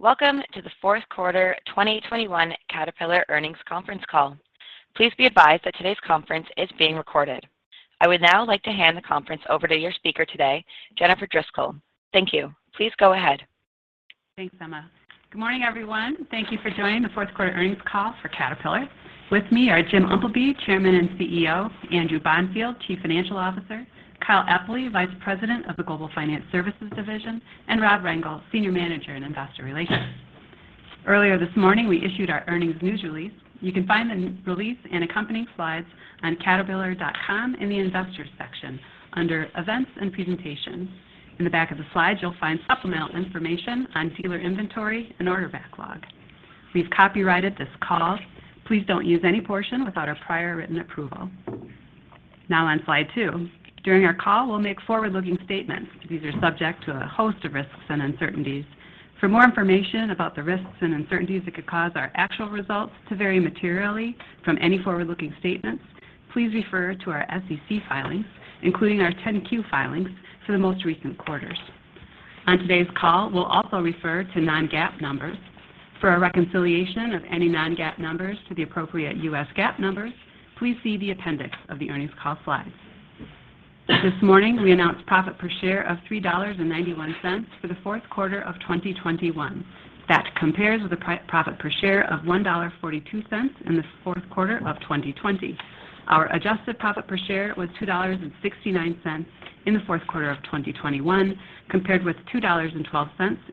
Welcome to the Q4 2021 Caterpillar Earnings Conference Call. Please be advised that today's conference is being recorded. I would now like to hand the conference over to your speaker today, Jennifer Driscoll. Thank you. Please go ahead. Thanks, Emma. Good morning, everyone. Thank you for joining the Q4 earnings call for Caterpillar. With me are James Umpleby, Chairman and CEO, Andrew Bonfield, Chief Financial Officer, Kyle Epley, Vice President of the Global Finance Services Division, and Rob Rengel, Senior Manager in Investor Relations. Earlier this morning, we issued our earnings news release. You can find the news release and accompanying slides on caterpillar.com in the Investors section under Events and Presentations. In the back of the slides, you'll find supplemental information on dealer inventory and order backlog. We've copyrighted this call. Please don't use any portion without our prior written approval. Now on slide two. During our call, we'll make forward-looking statements. These are subject to a host of risks and uncertainties. For more information about the risks and uncertainties that could cause our actual results to vary materially from any forward-looking statements, please refer to our SEC filings, including our 10-Q filings for the most recent quarters. On today's call, we'll also refer to non-GAAP numbers. For a reconciliation of any non-GAAP numbers to the appropriate U.S. GAAP numbers, please see the appendix of the earnings call slides. This morning, we announced profit per share of $3.91 for the Q4 of 2021. That compares with a profit per share of $1.42 in the Q4 of 2020. Our adjusted profit per share was $2.69 in the Q4 of 2021, compared with $2.12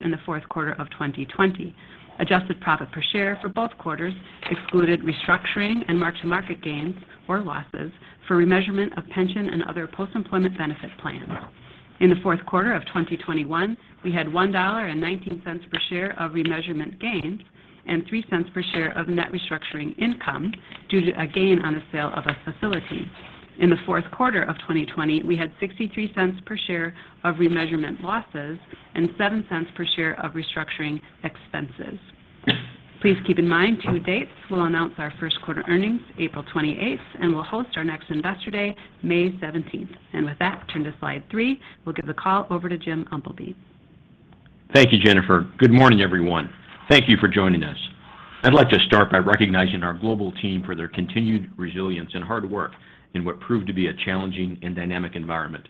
in the Q4 of 2020. Adjusted profit per share for both quarters excluded restructuring and mark-to-market gains or losses for remeasurement of pension and other post-employment benefit plans. In the Q4 of 2021, we had $1.19 per share of remeasurement gains and $0.03 per share of net restructuring income due to a gain on the sale of a facility. In the Q4 of 2020, we had $0.63 per share of remeasurement losses and $0.07 per share of restructuring expenses. Please keep in mind two dates. We'll announce our Q1 earnings April 28th, and we'll host our next Investor Day May 17th. With that, turn to slide three. We'll give the call over to James Umpleby. Thank you, Jennifer. Good morning, everyone. Thank you for joining us. I'd like to start by recognizing our global team for their continued resilience and hard work in what proved to be a challenging and dynamic environment.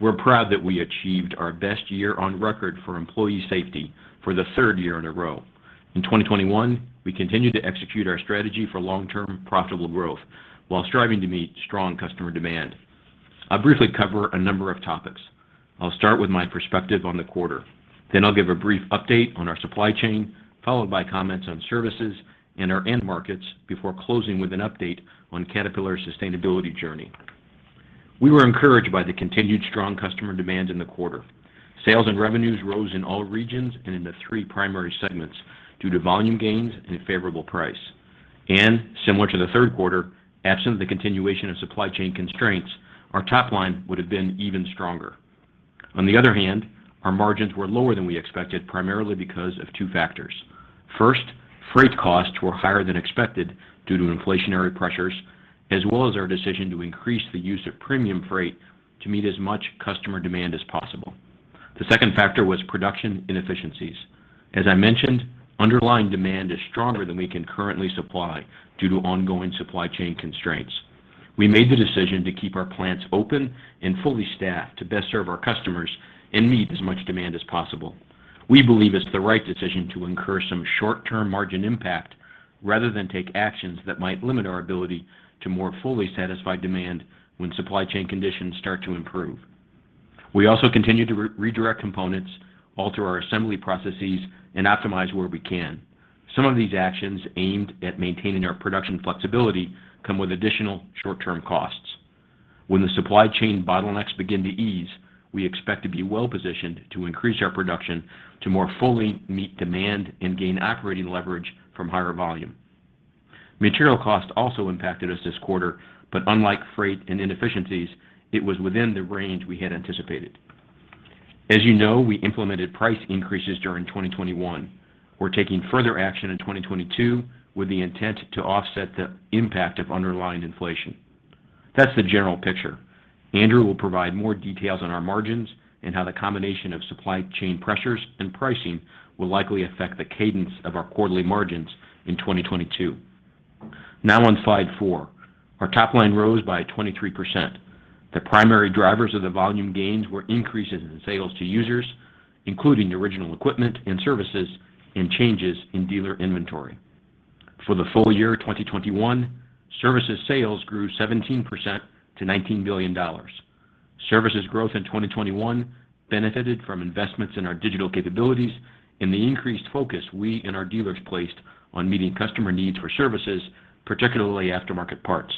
We're proud that we achieved our best year on record for employee safety for the third year in a row. In 2021, we continued to execute our strategy for long-term profitable growth while striving to meet strong customer demand. I'll briefly cover a number of topics. I'll start with my perspective on the quarter. Then I'll give a brief update on our supply chain, followed by comments on services and our end markets before closing with an update on Caterpillar's sustainability journey. We were encouraged by the continued strong customer demand in the quarter. Sales and revenues rose in all regions and in the three primary segments due to volume gains and a favorable price. Similar to the Q3, absent the continuation of supply chain constraints, our top line would have been even stronger. On the other hand, our margins were lower than we expected, primarily because of two factors. First, freight costs were higher than expected due to inflationary pressures, as well as our decision to increase the use of premium freight to meet as much customer demand as possible. The second factor was production inefficiencies. As I mentioned, underlying demand is stronger than we can currently supply due to ongoing supply chain constraints. We made the decision to keep our plants open and fully staffed to best serve our customers and meet as much demand as possible. We believe it's the right decision to incur some short-term margin impact rather than take actions that might limit our ability to more fully satisfy demand when supply chain conditions start to improve. We also continue to re-redirect components, alter our assembly processes, and optimize where we can. Some of these actions aimed at maintaining our production flexibility come with additional short-term costs. When the supply chain bottlenecks begin to ease, we expect to be well-positioned to increase our production to more fully meet demand and gain operating leverage from higher volume. Material costs also impacted us this quarter, but unlike freight and inefficiencies, it was within the range we had anticipated. As you know, we implemented price increases during 2021. We're taking further action in 2022 with the intent to offset the impact of underlying inflation. That's the general picture. Andrew will provide more details on our margins and how the combination of supply chain pressures and pricing will likely affect the cadence of our quarterly margins in 2022. Now on Slide four. Our top line rose by 23%. The primary drivers of the volume gains were increases in sales to users, including original equipment and services, and changes in dealer inventory. For the full year 2021, services sales grew 17% to $19 billion. Services growth in 2021 benefited from investments in our digital capabilities and the increased focus we and our dealers placed on meeting customer needs for services, particularly aftermarket parts.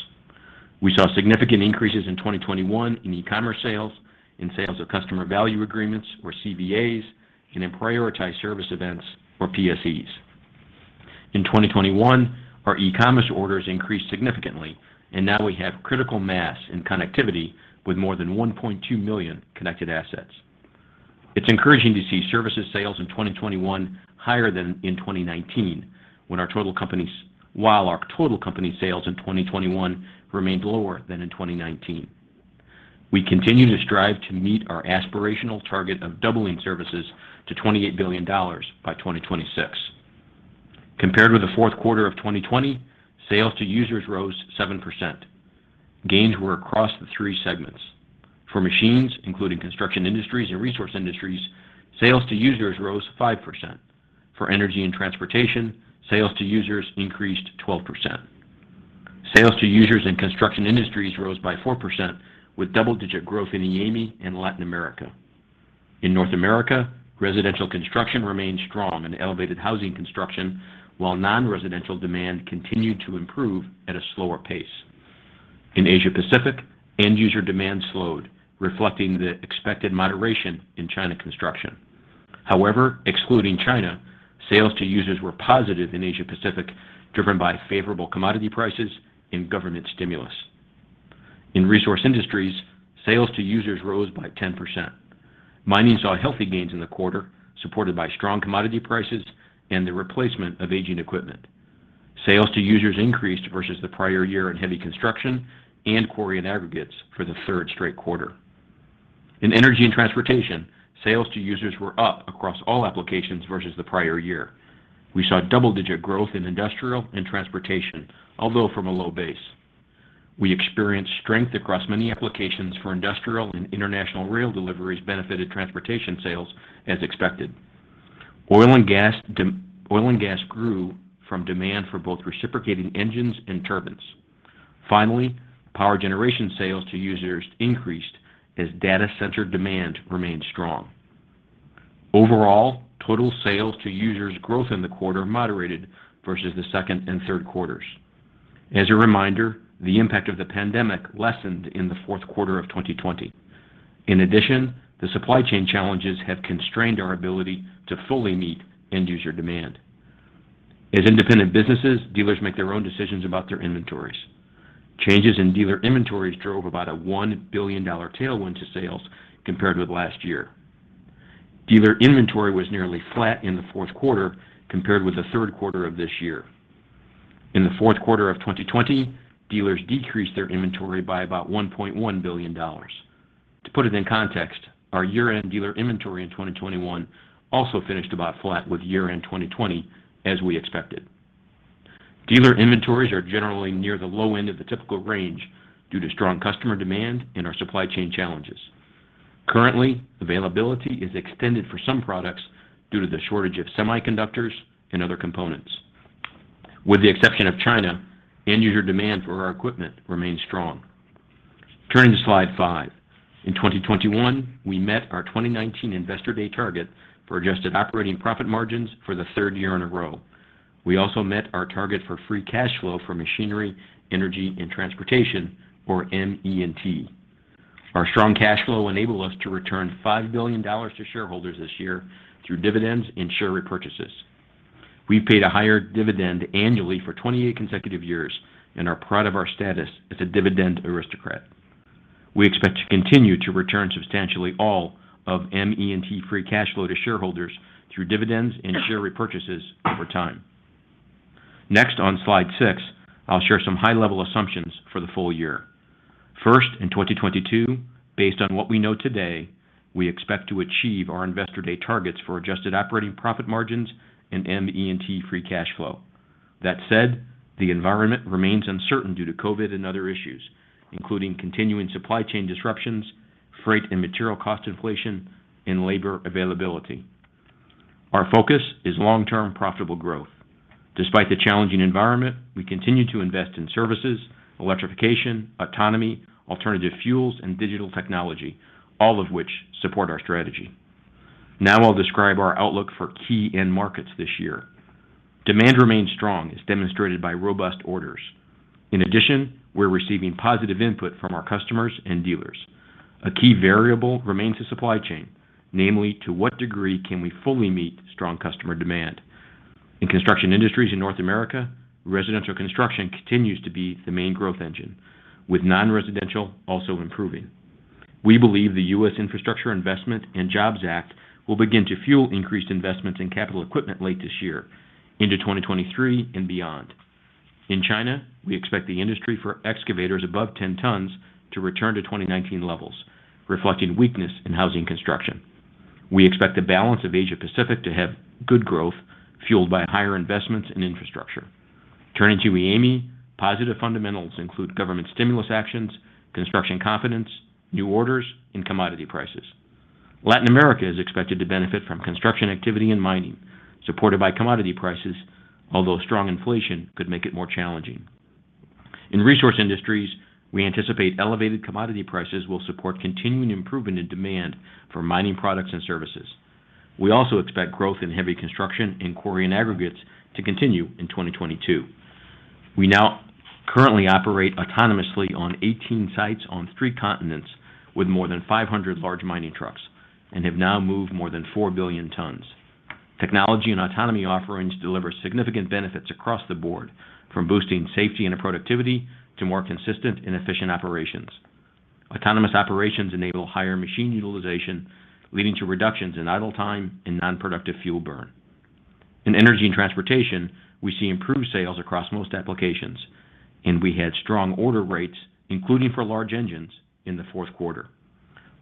We saw significant increases in 2021 in e-commerce sales, in sales of customer value agreements, or CVAs, and in prioritized service events, or PSEs. In 2021, our eCommerce orders increased significantly, and now we have critical mass and connectivity with more than 1.2 million connected assets. It's encouraging to see services sales in 2021 higher than in 2019 while our total company sales in 2021 remained lower than in 2019. We continue to strive to meet our aspirational target of doubling services to $28 billion by 2026. Compared with the Q4 of 2020, sales to users rose 7%. Gains were across the three segments. For machines, including Construction Industries and Resource Industries, sales to users rose 5%. For Energy & Transportation, sales to users increased 12%. Sales to users in Construction Industries rose by 4% with double-digit growth in EAME and Latin America. In North America, residential construction remained strong and elevated housing construction, while non-residential demand continued to improve at a slower pace. In Asia Pacific, end user demand slowed, reflecting the expected moderation in China construction. However, excluding China, sales to users were positive in Asia Pacific, driven by favorable commodity prices and government stimulus. In Resource Industries, sales to users rose by 10%. Mining saw healthy gains in the quarter, supported by strong commodity prices and the replacement of aging equipment. Sales to users increased versus the prior year in heavy construction and quarry and aggregates for the third straight quarter. In Energy and Transportation, sales to users were up across all applications versus the prior year. We saw double-digit growth in industrial and transportation, although from a low base. We experienced strength across many applications for industrial, and international rail deliveries benefited transportation sales as expected. Oil and gas grew from demand for both reciprocating engines and turbines. Finally, power generation sales to users increased as data center demand remained strong. Overall, total sales to users growth in the quarter moderated versus the second and Q3. As a reminder, the impact of the pandemic lessened in the Q4 of 2020. In addition, the supply chain challenges have constrained our ability to fully meet end user demand. As independent businesses, dealers make their own decisions about their inventories. Changes in dealer inventories drove about a $1 billion tailwind to sales compared with last year. Dealer inventory was nearly flat in the Q4 compared with the Q3 of this year. In the Q4 of 2020, dealers decreased their inventory by about $1.1 billion. To put it in context, our year-end dealer inventory in 2021 also finished about flat with year-end 2020, as we expected. Dealer inventories are generally near the low end of the typical range due to strong customer demand and our supply chain challenges. Currently, availability is extended for some products due to the shortage of semiconductors and other components. With the exception of China, end user demand for our equipment remains strong. Turning to slide 5. In 2021, we met our 2019 Investor Day target for adjusted operating profit margins for the third year in a row. We also met our target for free cash flow for machinery, energy, and transportation, or ME&T. Our strong cash flow enabled us to return $5 billion to shareholders this year through dividends and share repurchases. We paid a higher dividend annually for 28 consecutive years and are proud of our status as a Dividend Aristocrat. We expect to continue to return substantially all of ME&T free cash flow to shareholders through dividends and share repurchases over time. Next, on slide 6, I'll share some high-level assumptions for the full year. First, in 2022, based on what we know today, we expect to achieve our Investor Day targets for adjusted operating profit margins and ME&T free cash flow. That said, the environment remains uncertain due to COVID and other issues, including continuing supply chain disruptions, freight and material cost inflation, and labor availability. Our focus is long-term profitable growth. Despite the challenging environment, we continue to invest in services, electrification, autonomy, alternative fuels, and digital technology, all of which support our strategy. Now I'll describe our outlook for key end markets this year. Demand remains strong, as demonstrated by robust orders. In addition, we're receiving positive input from our customers and dealers. A key variable remains the supply chain, namely, to what degree can we fully meet strong customer demand? In Construction Industries in North America, residential construction continues to be the main growth engine, with non-residential also improving. We believe the U.S. Infrastructure Investment and Jobs Act will begin to fuel increased investments in capital equipment late this year into 2023 and beyond. In China, we expect the industry for excavators above 10 tons to return to 2019 levels, reflecting weakness in housing construction. We expect the balance of Asia Pacific to have good growth fueled by higher investments in infrastructure. Turning to EAME, positive fundamentals include government stimulus actions, construction confidence, new orders, and commodity prices. Latin America is expected to benefit from construction activity and mining supported by commodity prices. Although strong inflation could make it more challenging. In Resource Industries, we anticipate elevated commodity prices will support continuing improvement in demand for mining products and services. We also expect growth in heavy construction in quarry and aggregates to continue in 2022. We now currently operate autonomously on 18 sites on 3 continents with more than 500 large mining trucks and have now moved more than 4 billion tons. Technology and autonomy offerings deliver significant benefits across the board, from boosting safety and productivity to more consistent and efficient operations. Autonomous operations enable higher machine utilization, leading to reductions in idle time and non-productive fuel burn. In Energy & Transportation, we see improved sales across most applications, and we had strong order rates, including for large engines, in the Q4.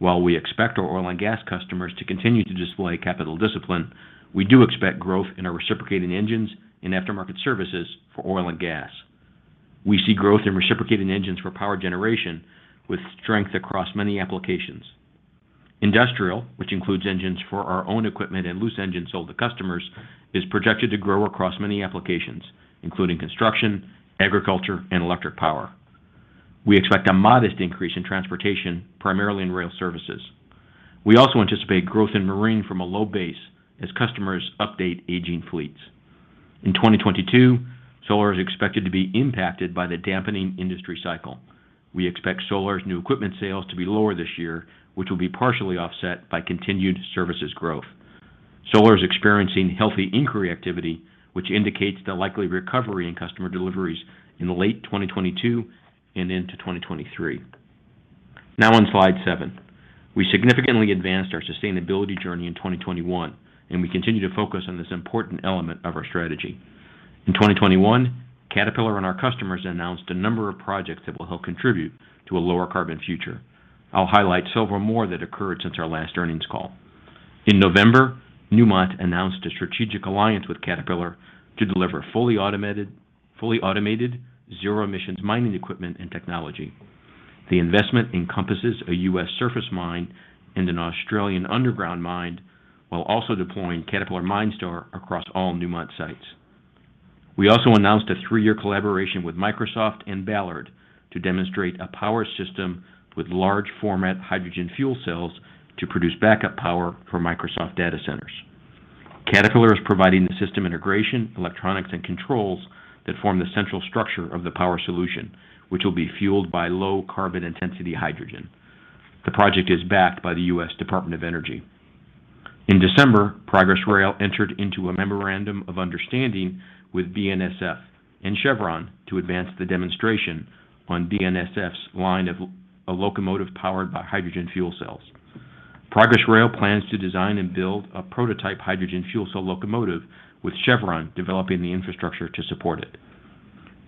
While we expect our oil and gas customers to continue to display capital discipline, we do expect growth in our reciprocating engines and aftermarket services for oil and gas. We see growth in reciprocating engines for power generation with strength across many applications. Industrial, which includes engines for our own equipment and loose engines sold to customers, is projected to grow across many applications, including construction, agriculture and electric power. We expect a modest increase in transportation, primarily in rail services. We also anticipate growth in marine from a low base as customers update aging fleets. In 2022, Solar is expected to be impacted by the dampening industry cycle. We expect Solar's new equipment sales to be lower this year, which will be partially offset by continued services growth. Solar Turbines is experiencing healthy inquiry activity, which indicates the likely recovery in customer deliveries in late 2022 and into 2023. Now on slide seven. We significantly advanced our sustainability journey in 2021, and we continue to focus on this important element of our strategy. In 2021, Caterpillar and our customers announced a number of projects that will help contribute to a lower carbon future. I'll highlight several more that occurred since our last earnings call. In November, Newmont announced a strategic alliance with Caterpillar to deliver fully automated, zero-emission mining equipment and technology. The investment encompasses a U.S. surface mine and an Australian underground mine, while also deploying Caterpillar MineStar across all Newmont sites. We also announced a three-year collaboration with Microsoft and Ballard Power Systems to demonstrate a power system with large-format hydrogen fuel cells to produce backup power for Microsoft data centers. Caterpillar is providing the system integration, electronics and controls that form the central structure of the power solution, which will be fueled by low carbon intensity hydrogen. The project is backed by the U.S. Department of Energy. In December, Progress Rail entered into a memorandum of understanding with BNSF and Chevron to advance the demonstration on BNSF's line of a locomotive powered by hydrogen fuel cells. Progress Rail plans to design and build a prototype hydrogen fuel cell locomotive with Chevron developing the infrastructure to support it.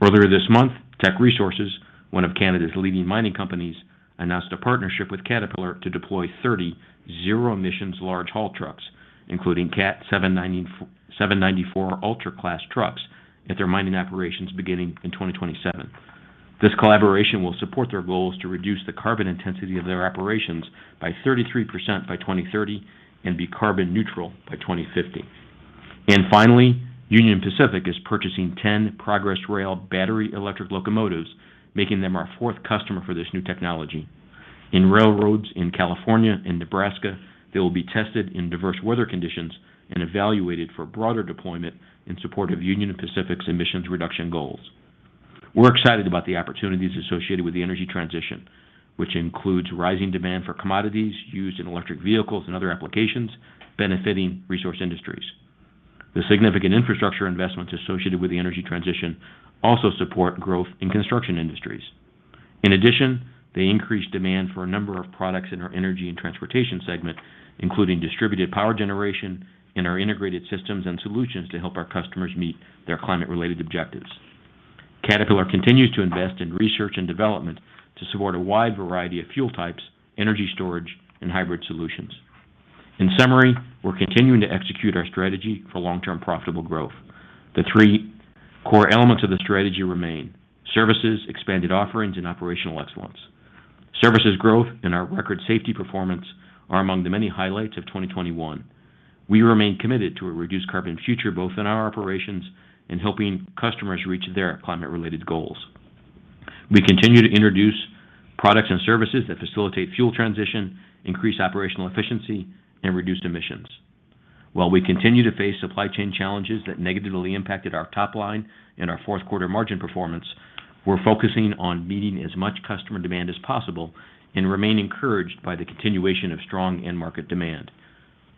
Earlier this month, Teck Resources, one of Canada's leading mining companies, announced a partnership with Caterpillar to deploy 30 zero-emission large haul trucks, including Cat 794 ultra-class trucks, at their mining operations beginning in 2027. This collaboration will support their goals to reduce the carbon intensity of their operations by 33% by 2030 and be carbon neutral by 2050. Finally, Union Pacific is purchasing 10 Progress Rail battery-electric locomotives, making them our fourth customer for this new technology. In rail yards in California and Nebraska, they will be tested in diverse weather conditions and evaluated for broader deployment in support of Union Pacific's emissions reduction goals. We're excited about the opportunities associated with the energy transition, which includes rising demand for commodities used in electric vehicles and other applications benefiting Resource Industries. The significant infrastructure investments associated with the energy transition also support growth in Construction Industries. In addition, they increase demand for a number of products in our Energy & Transportation segment, including distributed power generation and our integrated systems and solutions to help our customers meet their climate-related objectives. Caterpillar continues to invest in research and development to support a wide variety of fuel types, energy storage and hybrid solutions. In summary, we're continuing to execute our strategy for long-term profitable growth. The three core elements of the strategy remain services, expanded offerings and operational excellence. Services growth and our record safety performance are among the many highlights of 2021. We remain committed to a reduced carbon future, both in our operations and helping customers reach their climate-related goals. We continue to introduce products and services that facilitate fuel transition, increase operational efficiency and reduce emissions. While we continue to face supply chain challenges that negatively impacted our top line and our Q4 margin performance, we're focusing on meeting as much customer demand as possible and remain encouraged by the continuation of strong end market demand.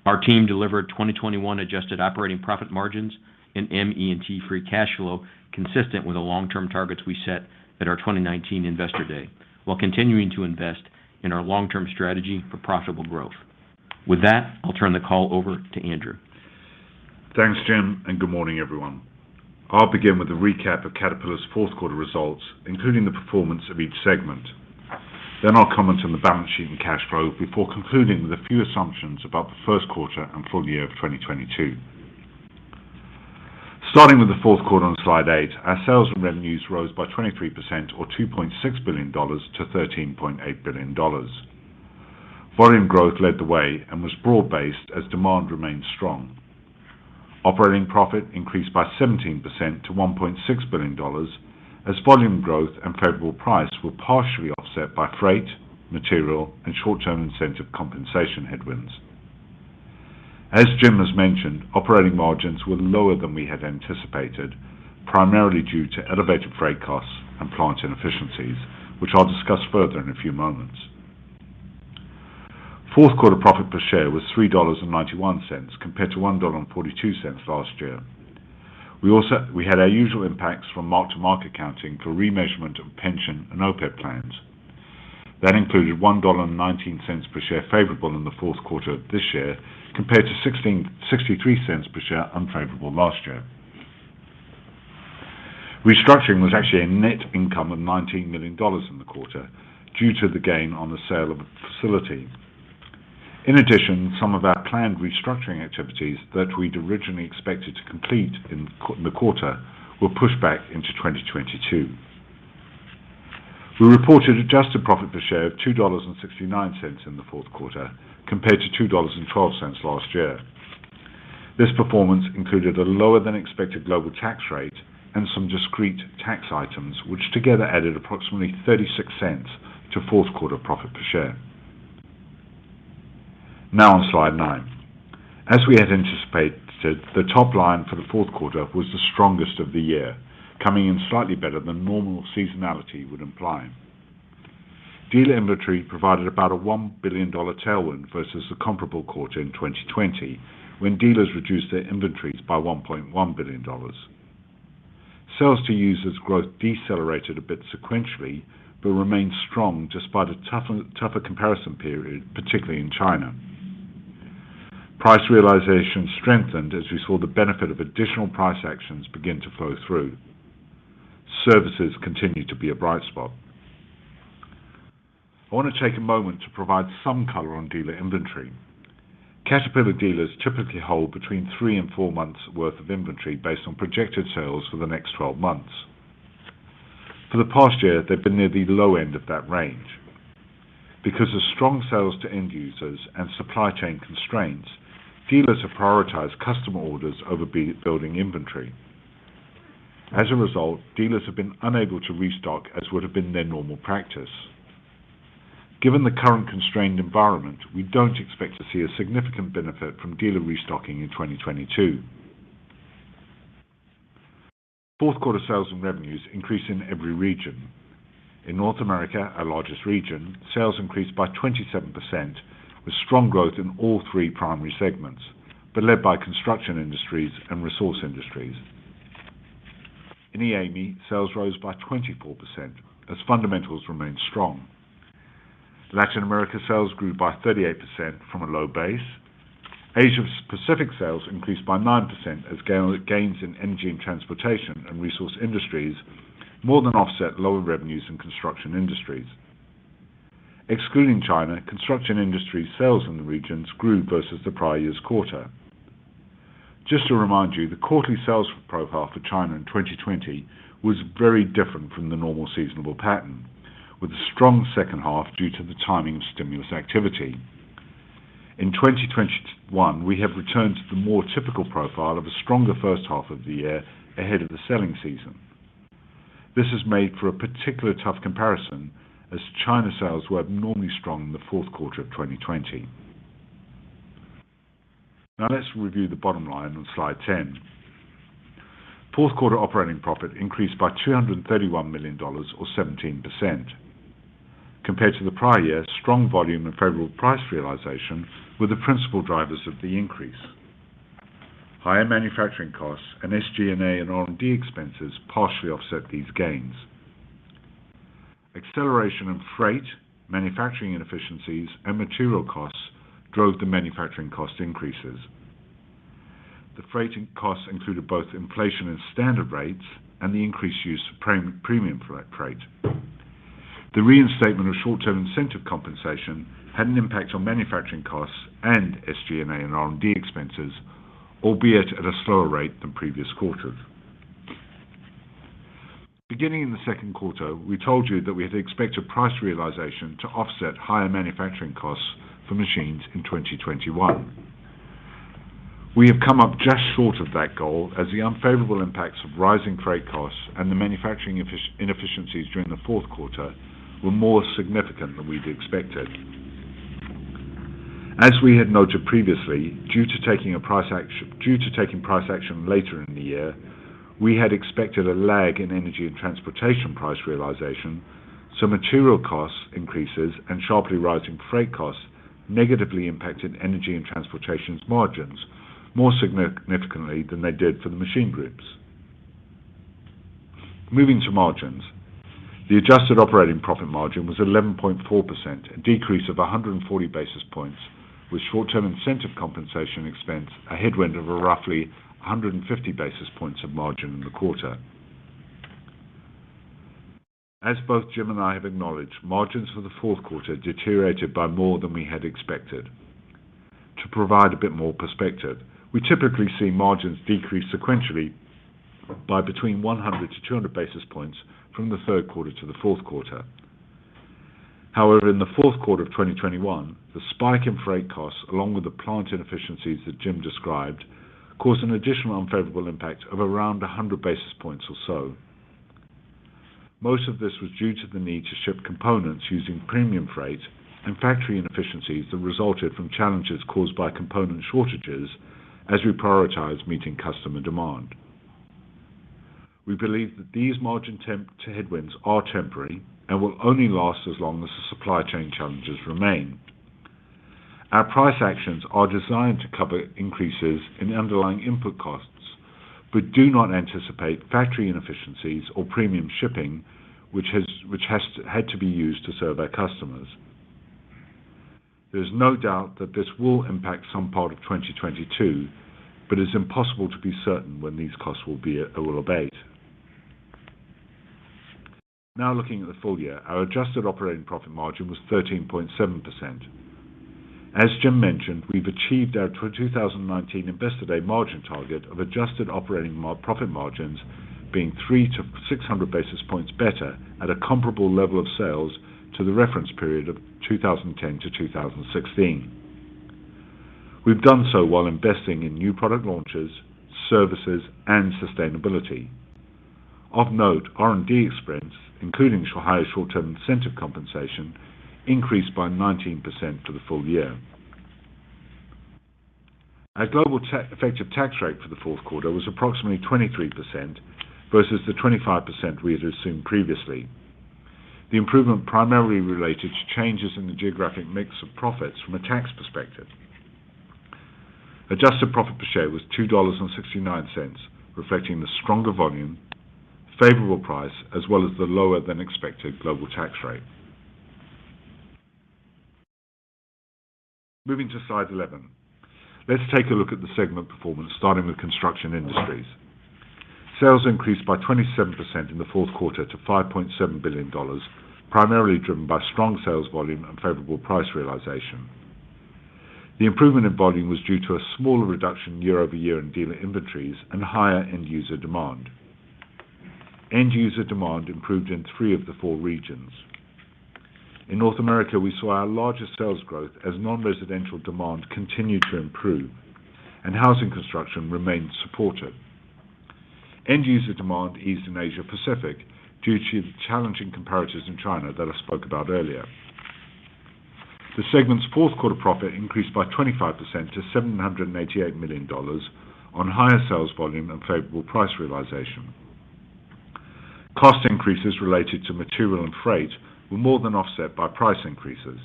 Our team delivered 2021 adjusted operating profit margins and ME&T free cash flow consistent with the long-term targets we set at our 2019 Investor Day, while continuing to invest in our long-term strategy for profitable growth. With that, I'll turn the call over to Andrew. Thanks, James, and good morning, everyone. I'll begin with a recap of Caterpillar's Q4 results, including the performance of each segment. I'll comment on the balance sheet and cash flow before concluding with a few assumptions about the Q1. Full year of 2022. Starting with the Q4 on slide eight, our sales and revenues rose by 23% or $2.6 billion to $13.8 billion. Volume growth led the way and was broad-based as demand remained strong. Operating profit increased by 17% to $1.6 billion as volume growth and favorable price were partially offset by freight, material and short-term incentive compensation headwinds. As James has mentioned, operating margins were lower than we had anticipated, primarily due to elevated freight costs and plant inefficiencies, which I'll discuss further in a few moments. Q4 profit per share was $3.91 compared to $1.42 last year. We had our usual impacts from mark-to-market accounting for remeasurement of pension and OPEB plans. That included $1.19 per share favorable in the Q4 of this year, compared to $0.63 per share unfavorable last year. Restructuring was actually a net income of $19 million in the quarter due to the gain on the sale of a facility. In addition, some of our planned restructuring activities that we'd originally expected to complete in the quarter were pushed back into 2022. We reported adjusted profit per share of $2.69 in the Q4, compared to $2.12 last year. This performance included a lower than expected global tax rate and some discrete tax items, which together added approximately $0.36 to Q4 profit per share. Now on slide nine. As we had anticipated, the top line for the Q4 was the strongest of the year, coming in slightly better than normal seasonality would imply. Dealer inventory provided about a $1 billion tailwind versus the comparable quarter in 2020, when dealers reduced their inventories by $1.1 billion. Sales to users growth decelerated a bit sequentially, but remained strong despite a tougher comparison period, particularly in China. Price realization strengthened as we saw the benefit of additional price actions begin to flow through. Services continue to be a bright spot. I want to take a moment to provide some color on dealer inventory. Caterpillar dealers typically hold between three and four months' worth of inventory based on projected sales for the next 12 months. For the past year, they've been near the low end of that range. Because of strong sales to end users and supply chain constraints, dealers have prioritized customer orders over building inventory. As a result, dealers have been unable to restock as would have been their normal practice. Given the current constrained environment, we don't expect to see a significant benefit from dealer restocking in 2022. Q4 sales and revenues increased in every region. In North America, our largest region, sales increased by 27%, with strong growth in all three primary segments, but led by Construction Industries and Resource Industries. In EAME, sales rose by 24% as fundamentals remained strong. Latin America sales grew by 38% from a low base. Asia Pacific sales increased by 9% as gains in Energy & Transportation and Resource Industries more than offset lower revenues in Construction Industries. Excluding China, Construction Industries sales in the region grew versus the prior year's quarter. Just to remind you, the quarterly sales profile for China in 2020 was very different from the normal seasonal pattern, with a strong second half due to the timing of stimulus activity. In 2021, we have returned to the more typical profile of a stronger first half of the year ahead of the selling season. This has made for a particularly tough comparison as China sales were abnormally strong in the Q4 of 2020. Now let's review the bottom line on slide 10. Q4 operating profit increased by $231 million or 17%. Compared to the prior year, strong volume and favorable price realization were the principal drivers of the increase. Higher manufacturing costs and SG&A and R&D expenses partially offset these gains. Acceleration in freight, manufacturing inefficiencies, and material costs drove the manufacturing cost increases. The freighting costs included both inflation and standard rates and the increased use of premium freight. The reinstatement of short-term incentive compensation had an impact on manufacturing costs and SG&A and R&D expenses, albeit at a slower rate than previous quarters. Beginning in the Q2, we told you that we had expected price realization to offset higher manufacturing costs for machines in 2021. We have come up just short of that goal as the unfavorable impacts of rising freight costs and the manufacturing inefficiencies during the Q4 were more significant than we'd expected. As we had noted previously, due to taking price action later in the year, we had expected a lag in Energy & Transportation price realization, so material cost increases and sharply rising freight costs negatively impacted Energy & Transportation's margins more significantly than they did for the machine groups. Moving to margins. The adjusted operating profit margin was 11.4%, a decrease of 140 basis points, with short-term incentive compensation expense, a headwind of roughly 150 basis points of margin in the quarter. As both James and I have acknowledged, margins for the Q4 deteriorated by more than we had expected. To provide a bit more perspective, we typically see margins decrease sequentially by between 100-200 basis points from the Q3 to the Q4. However, in the Q4 of 2021, the spike in freight costs, along with the plant inefficiencies that Jim described, caused an additional unfavorable impact of around 100 basis points or so. Most of this was due to the need to ship components using premium freight and factory inefficiencies that resulted from challenges caused by component shortages as we prioritized meeting customer demand. We believe that these margin headwinds are temporary and will only last as long as the supply chain challenges remain. Our price actions are designed to cover increases in underlying input costs, but do not anticipate factory inefficiencies or premium shipping, which has had to be used to serve our customers. There's no doubt that this will impact some part of 2022, but it's impossible to be certain when these costs will abate. Now, looking at the full year, our adjusted operating profit margin was 13.7%. As Jim mentioned, we've achieved our 2019 Investor Day margin target of adjusted operating profit margins being 300-600 basis points better at a comparable level of sales to the reference period of 2010-2016. We've done so while investing in new product launches, services, and sustainability. Of note, R&D expense, including higher short-term incentive compensation, increased by 19% for the full year. Our global effective tax rate for the Q4 was approximately 23% versus the 25% we had assumed previously. The improvement primarily related to changes in the geographic mix of profits from a tax perspective. Adjusted profit per share was $2.69, reflecting the stronger volume, favorable price, as well as the lower than expected global tax rate. Moving to slide 11. Let's take a look at the segment performance, starting with Construction Industries. Sales increased by 27% in the Q4 to $5.7 billion, primarily driven by strong sales volume and favorable price realization. The improvement in volume was due to a smaller reduction year-over-year in dealer inventories and higher end user demand. End user demand improved in three of the four regions. In North America, we saw our largest sales growth as non-residential demand continued to improve and housing construction remained supportive. End user demand eased in Asia Pacific due to the challenging comparatives in China that I spoke about earlier. The segment's Q4 profit increased by 25% to $788 million on higher sales volume and favorable price realization. Cost increases related to material and freight were more than offset by price increases.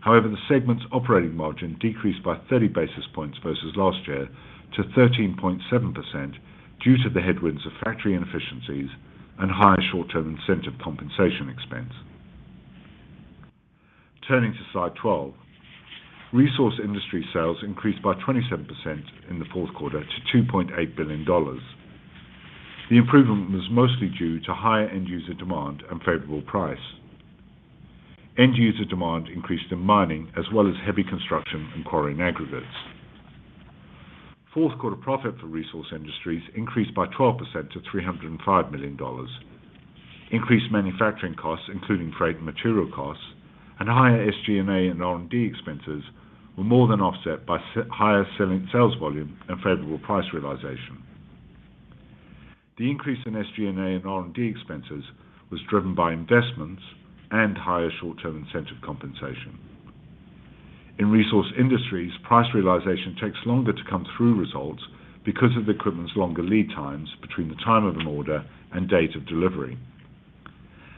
However, the segment's operating margin decreased by 30 basis points versus last year to 13.7% due to the headwinds of factory inefficiencies and higher short-term incentive compensation expense. Turning to slide 12. Resource Industries sales increased by 27% in the Q4 to $2.8 billion. The improvement was mostly due to higher end user demand and favorable price. End user demand increased in mining as well as heavy construction and quarry and aggregates. Q4 profit for Resource Industries increased by 12% to $305 million. Increased manufacturing costs, including freight and material costs, and higher SG&A and R&D expenses were more than offset by higher sales volume and favorable price realization. The increase in SG&A and R&D expenses was driven by investments and higher short-term incentive compensation. In Resource Industries, price realization takes longer to come through results because of the equipment's longer lead times between the time of an order and date of delivery.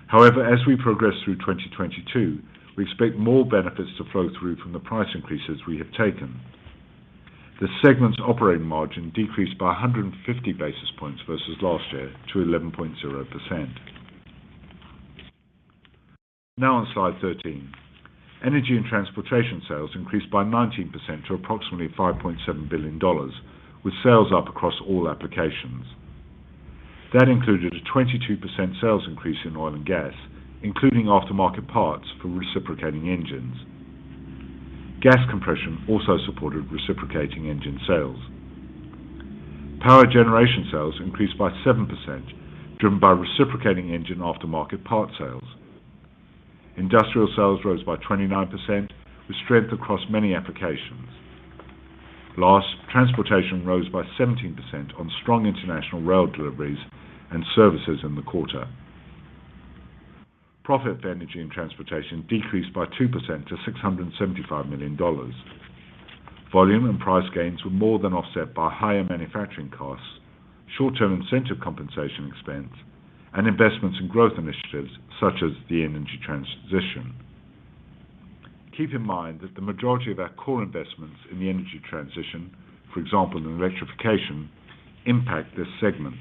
However, as we progress through 2022, we expect more benefits to flow through from the price increases we have taken. The segment's operating margin decreased by 150 basis points versus last year to 11.0%. Now on slide thirteen. Energy & Transportation sales increased by 19% to approximately $5.7 billion, with sales up across all applications. That included a 22% sales increase in oil and gas, including aftermarket parts for reciprocating engines. Gas compression also supported reciprocating engine sales. Power generation sales increased by 7%, driven by reciprocating engine aftermarket part sales. Industrial sales rose by 29%, with strength across many applications. Last, transportation rose by 17% on strong international rail deliveries and services in the quarter. Profit for Energy & Transportation decreased by 2% to $675 million. Volume and price gains were more than offset by higher manufacturing costs, short-term incentive compensation expense, and investments in growth initiatives such as the energy transition. Keep in mind that the majority of our core investments in the energy transition, for example, in electrification, impact this segment.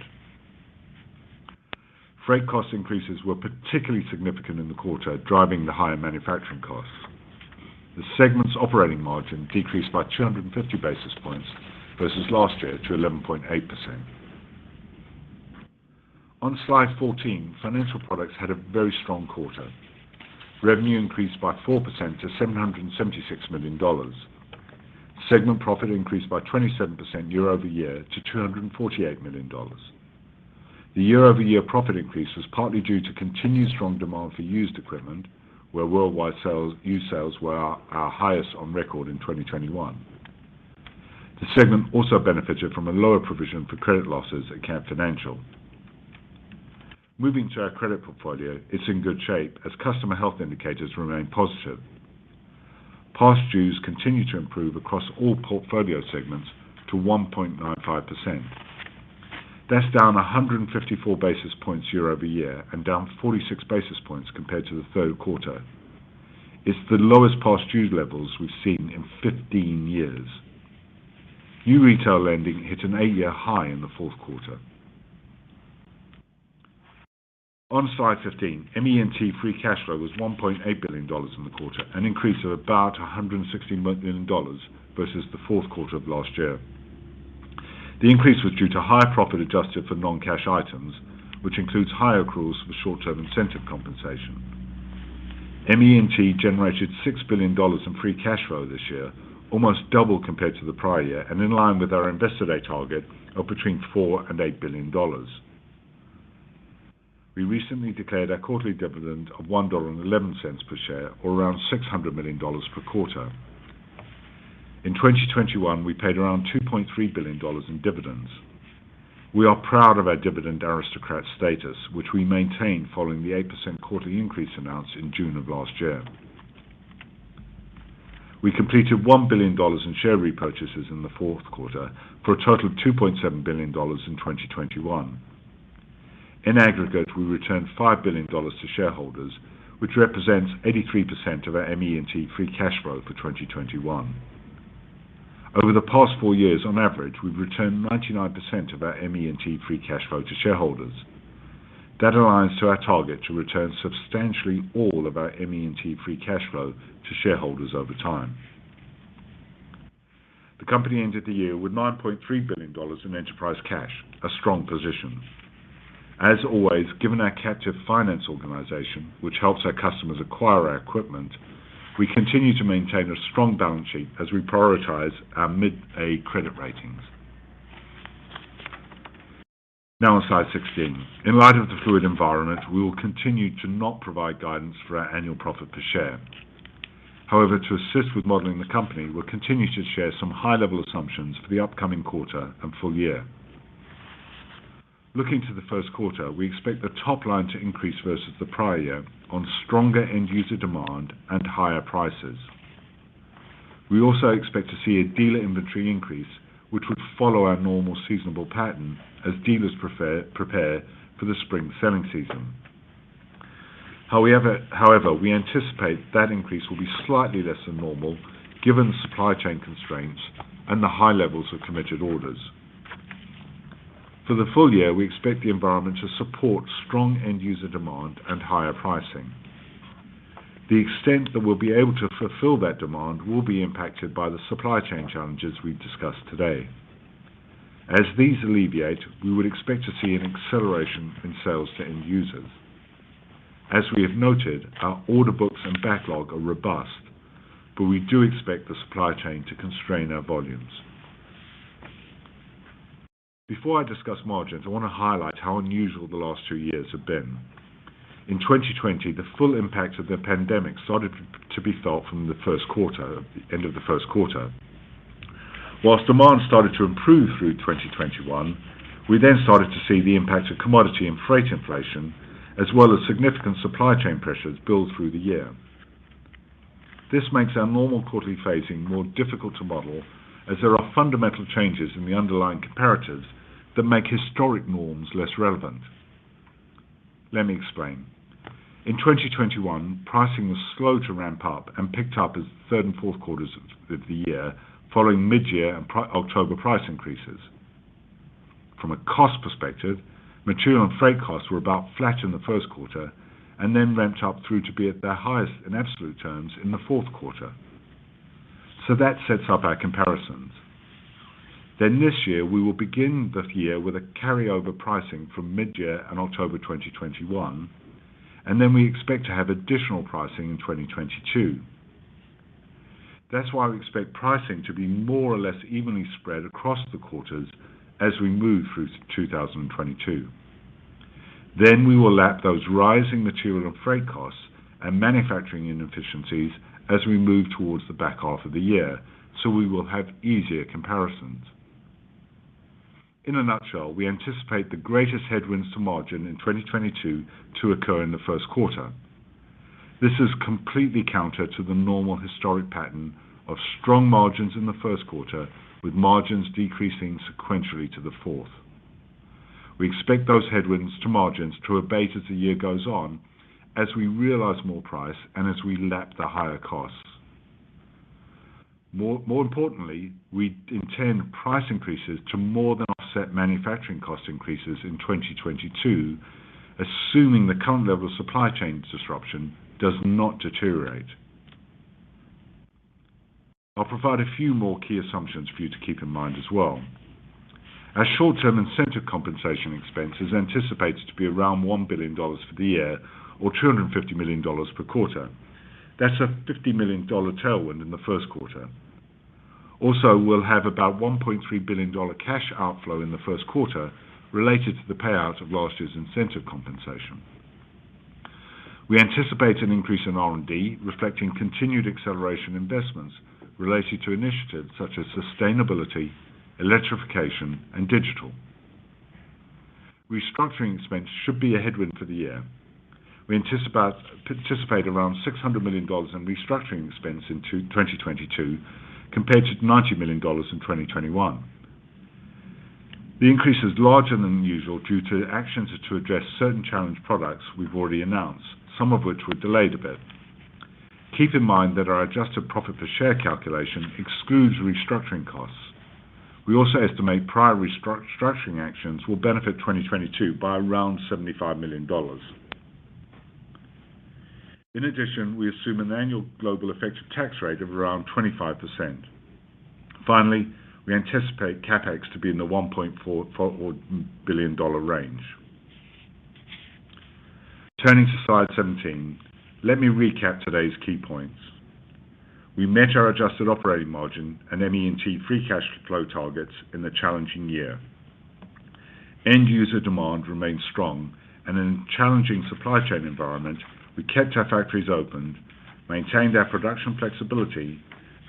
Freight cost increases were particularly significant in the quarter, driving the higher manufacturing costs. The segment's operating margin decreased by 250 basis points versus last year to 11.8%. On slide 14, Financial Products had a very strong quarter. Revenue increased by 4% to $776 million. Segment profit increased by 27% year over year to $248 million. The year over year profit increase was partly due to continued strong demand for used equipment, where worldwide used sales were our highest on record in 2021. The segment also benefited from a lower provision for credit losses at Cat Financial. Moving to our credit portfolio, it's in good shape as customer health indicators remain positive. Past dues continue to improve across all portfolio segments to 1.95%. That's down 154 basis points year-over-year and down 46 basis points compared to the Q3. It's the lowest past due levels we've seen in 15 years. New retail lending hit an 8-year high in the Q4. On slide 15, ME&T free cash flow was $1.8 billion in the quarter, an increase of about $160 million versus the Q4 of last year. The increase was due to higher profit adjusted for non-cash items, which includes higher accruals for short-term incentive compensation. ME&T generated $6 billion in free cash flow this year, almost double compared to the prior year, and in line with our Investor Day target of between $4 billion-$8 billion. We recently declared our quarterly dividend of $1.11 per share, or around $600 million per quarter. In 2021, we paid around $2.3 billion in dividends. We are proud of our Dividend Aristocrat status, which we maintain following the 8% quarterly increase announced in June of last year. We completed $1 billion in share repurchases in the Q4 for a total of $2.7 billion in 2021. In aggregate, we returned $5 billion to shareholders, which represents 83% of our ME&T free cash flow for 2021. Over the past four years, on average, we've returned 99% of our ME&T free cash flow to shareholders. That aligns to our target to return substantially all of our ME&T free cash flow to shareholders over time. The company ended the year with $9.3 billion in enterprise cash, a strong position. As always, given our captive finance organization, which helps our customers acquire our equipment, we continue to maintain a strong balance sheet as we prioritize our mid A credit ratings. Now on slide 16. In light of the fluid environment, we will continue to not provide guidance for our annual profit per share. However, to assist with modeling the company, we'll continue to share some high-level assumptions for the upcoming quarter and full year. Looking to the Q1, we expect the top line to increase versus the prior year on stronger end user demand and higher prices. We also expect to see a dealer inventory increase, which would follow our normal seasonal pattern as dealers prepare for the spring selling season. However, we anticipate that increase will be slightly less than normal given supply chain constraints and the high levels of committed orders. For the full year, we expect the environment to support strong end user demand and higher pricing. The extent that we'll be able to fulfill that demand will be impacted by the supply chain challenges we've discussed today. As these alleviate, we would expect to see an acceleration in sales to end users. As we have noted, our order books and backlog are robust, but we do expect the supply chain to constrain our volumes. Before I discuss margins, I want to highlight how unusual the last two years have been. In 2020, the full impact of the pandemic started to be felt from the end of the Q1. While demand started to improve through 2021, we then started to see the impact of commodity and freight inflation, as well as significant supply chain pressures build through the year. This makes our normal quarterly phasing more difficult to model as there are fundamental changes in the underlying comparatives that make historic norms less relevant. Let me explain. In 2021, pricing was slow to ramp up and picked up as Q3 and Q4 of the year following mid-year and October price increases. From a cost perspective, material and freight costs were about flat in the Q1 and then ramped up through to be at their highest in absolute terms in the Q4. That sets up our comparisons. This year, we will begin the year with a carryover pricing from mid-year and October 2021, and we expect to have additional pricing in 2022. That's why we expect pricing to be more or less evenly spread across the quarters as we move through 2022. We will lap those rising material and freight costs and manufacturing inefficiencies as we move towards the back half of the year, so we will have easier comparisons. In a nutshell, we anticipate the greatest headwinds to margin in 2022 to occur in the Q1. This is completely counter to the normal historic pattern of strong margins in the Q1, with margins decreasing sequentially to the fourth. We expect those headwinds to margins to abate as the year goes on, as we realize more price and as we lap the higher costs. More importantly, we intend price increases to more than offset manufacturing cost increases in 2022, assuming the current level of supply chain disruption does not deteriorate. I'll provide a few more key assumptions for you to keep in mind as well. Our short-term incentive compensation expense is anticipated to be around $1 billion for the year or $250 million per quarter. That's a $50 million tailwind in the Q1. Also, we'll have about $1.3 billion cash outflow in the Q1 related to the payout of last year's incentive compensation. We anticipate an increase in R&D reflecting continued acceleration investments related to initiatives such as sustainability, electrification, and digital. Restructuring expense should be a headwind for the year. We anticipate around $600 million in restructuring expense in 2022 compared to $90 million in 2021. The increase is larger than usual due to actions to address certain challenged products we've already announced, some of which were delayed a bit. Keep in mind that our adjusted profit per share calculation excludes restructuring costs. We also estimate prior restructuring actions will benefit 2022 by around $75 million. In addition, we assume an annual global effective tax rate of around 25%. Finally, we anticipate CapEx to be in the $1.4 or billion dollar range. Turning to slide 17, let me recap today's key points. We met our adjusted operating margin and ME&T free cash flow targets in a challenging year. End user demand remained strong, and in a challenging supply chain environment, we kept our factories open, maintained our production flexibility,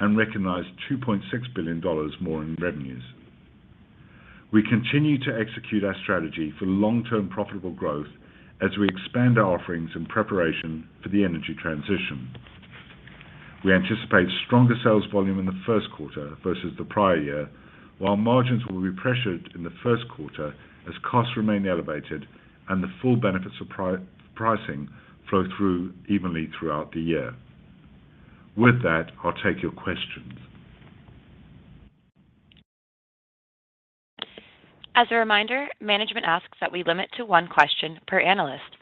and recognized $2.6 billion more in revenues. We continue to execute our strategy for long-term profitable growth as we expand our offerings in preparation for the energy transition. We anticipate stronger sales volume in the Q1 versus the prior year, while margins will be pressured in the Q1 as costs remain elevated and the full benefits of pricing flow through evenly throughout the year. With that, I'll take your questions. As a reminder, management asks that we limit to one question per analyst.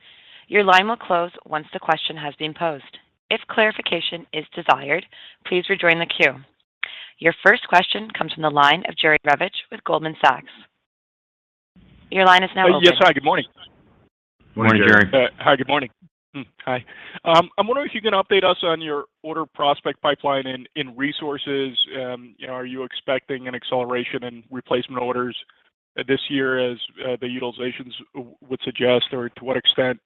Your line will close once the question has been posed. If clarification is desired, please rejoin the queue. Your first question comes from the line of Jerry Revich with Goldman Sachs. Your line is now open. Yes. Hi, good morning. Morning, Jerry. Hi, good morning. Hi. I'm wondering if you can update us on your order prospect pipeline in resources. You know, are you expecting an acceleration in replacement orders this year as the utilizations would suggest? Or to what extent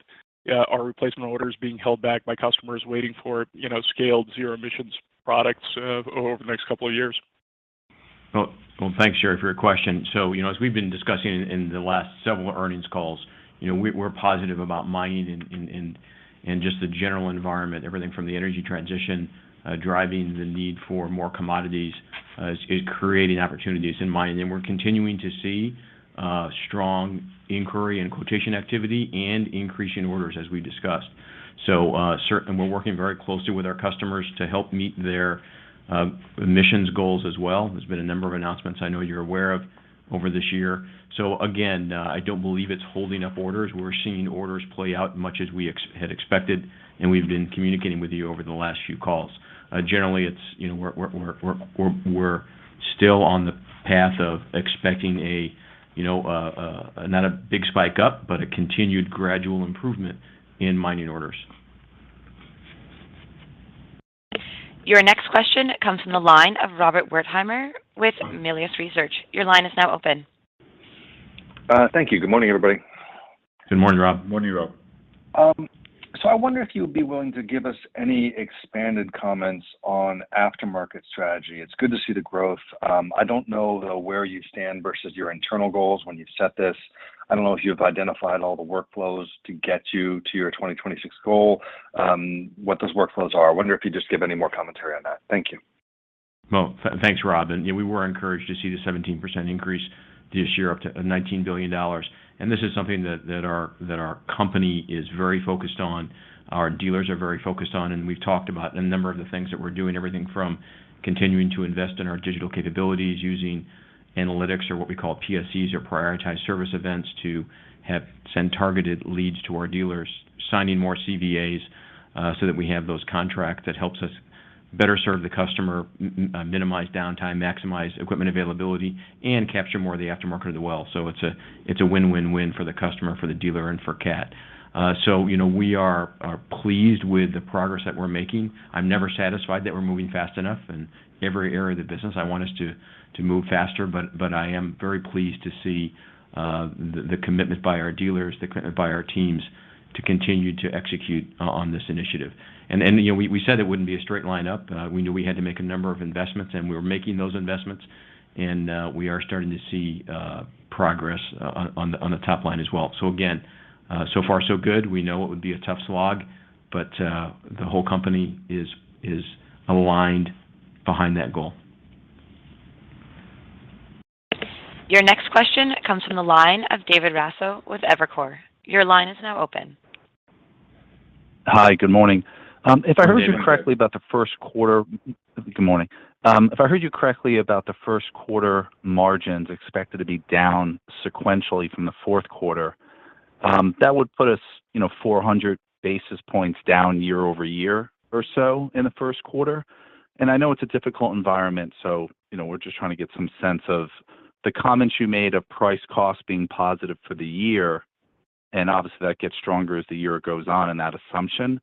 are replacement orders being held back by customers waiting for, you know, scaled zero emissions products over the next couple of years? Well, thanks, Jerry, for your question. You know, as we've been discussing in the last several earnings calls, you know, we're positive about mining and just the general environment. Everything from the energy transition driving the need for more commodities is creating opportunities in mining. We're continuing to see strong inquiry and quotation activity and increase in orders as we discussed. We're working very closely with our customers to help meet their emissions goals as well. There's been a number of announcements I know you're aware of over this year. Again, I don't believe it's holding up orders. We're seeing orders play out much as we had expected, and we've been communicating with you over the last few calls. Generally, it's, you know, we're still on the path of expecting a, you know, not a big spike up, but a continued gradual improvement in mining orders. Your next question comes from the line of Robert Wertheimer with Melius Research. Your line is now open. Thank you. Good morning, everybody. Good morning, Rob. Morning, Rob. I wonder if you would be willing to give us any expanded comments on aftermarket strategy. It's good to see the growth. I don't know, though, where you stand versus your internal goals when you set this. I don't know if you've identified all the workflows to get you to your 2026 goal, what those workflows are. I wonder if you'd just give any more commentary on that. Thank you. Well, thanks, Rob, and, you know, we were encouraged to see the 17% increase this year up to $19 billion. This is something that our company is very focused on, our dealers are very focused on, and we've talked about a number of the things that we're doing, everything from continuing to invest in our digital capabilities using analytics or what we call PSEs or prioritized service events to send targeted leads to our dealers, signing more CVAs, so that we have those contracts that helps us better serve the customer, minimize downtime, maximize equipment availability, and capture more of the aftermarket as well. It's a win-win-win for the customer, for the dealer, and for Cat. You know, we are pleased with the progress that we're making. I'm never satisfied that we're moving fast enough. In every area of the business, I want us to move faster, but I am very pleased to see the commitment by our dealers by our teams to continue to execute on this initiative. You know, we said it wouldn't be a straight line up. We knew we had to make a number of investments, and we were making those investments. We are starting to see progress on the top line as well. Again, so far so good. We know it would be a tough slog, but the whole company is aligned behind that goal. Your next question comes from the line of David Raso with Evercore. Your line is now open. Hi, good morning. Good morning, David. Good morning. If I heard you correctly about the Q1 margins expected to be down sequentially from the Q4, that would put us, you know, 400 basis points down year-over-year or so in the Q1. I know it's a difficult environment, so, you know, we're just trying to get some sense of the comments you made of price cost being positive for the year, and obviously that gets stronger as the year goes on and that assumption.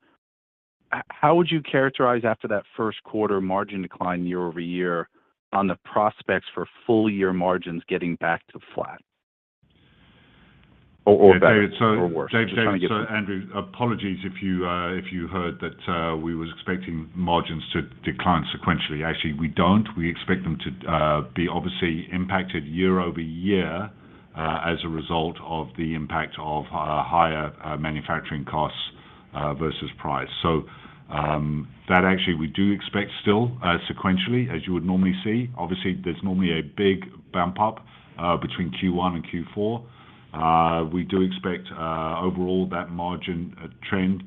How would you characterize after that Q1 margin decline year-over-year on the prospects for full year margins getting back to flat or better- Yeah, David. Worse. David. Andrew, apologies if you heard that. We was expecting margins to decline sequentially. Actually, we don't. We expect them to be obviously impacted year-over-year. As a result of the impact of higher manufacturing costs versus price. That actually we do expect still sequentially, as you would normally see. Obviously, there's normally a big bump up between Q1 and Q4. We do expect overall that margin trend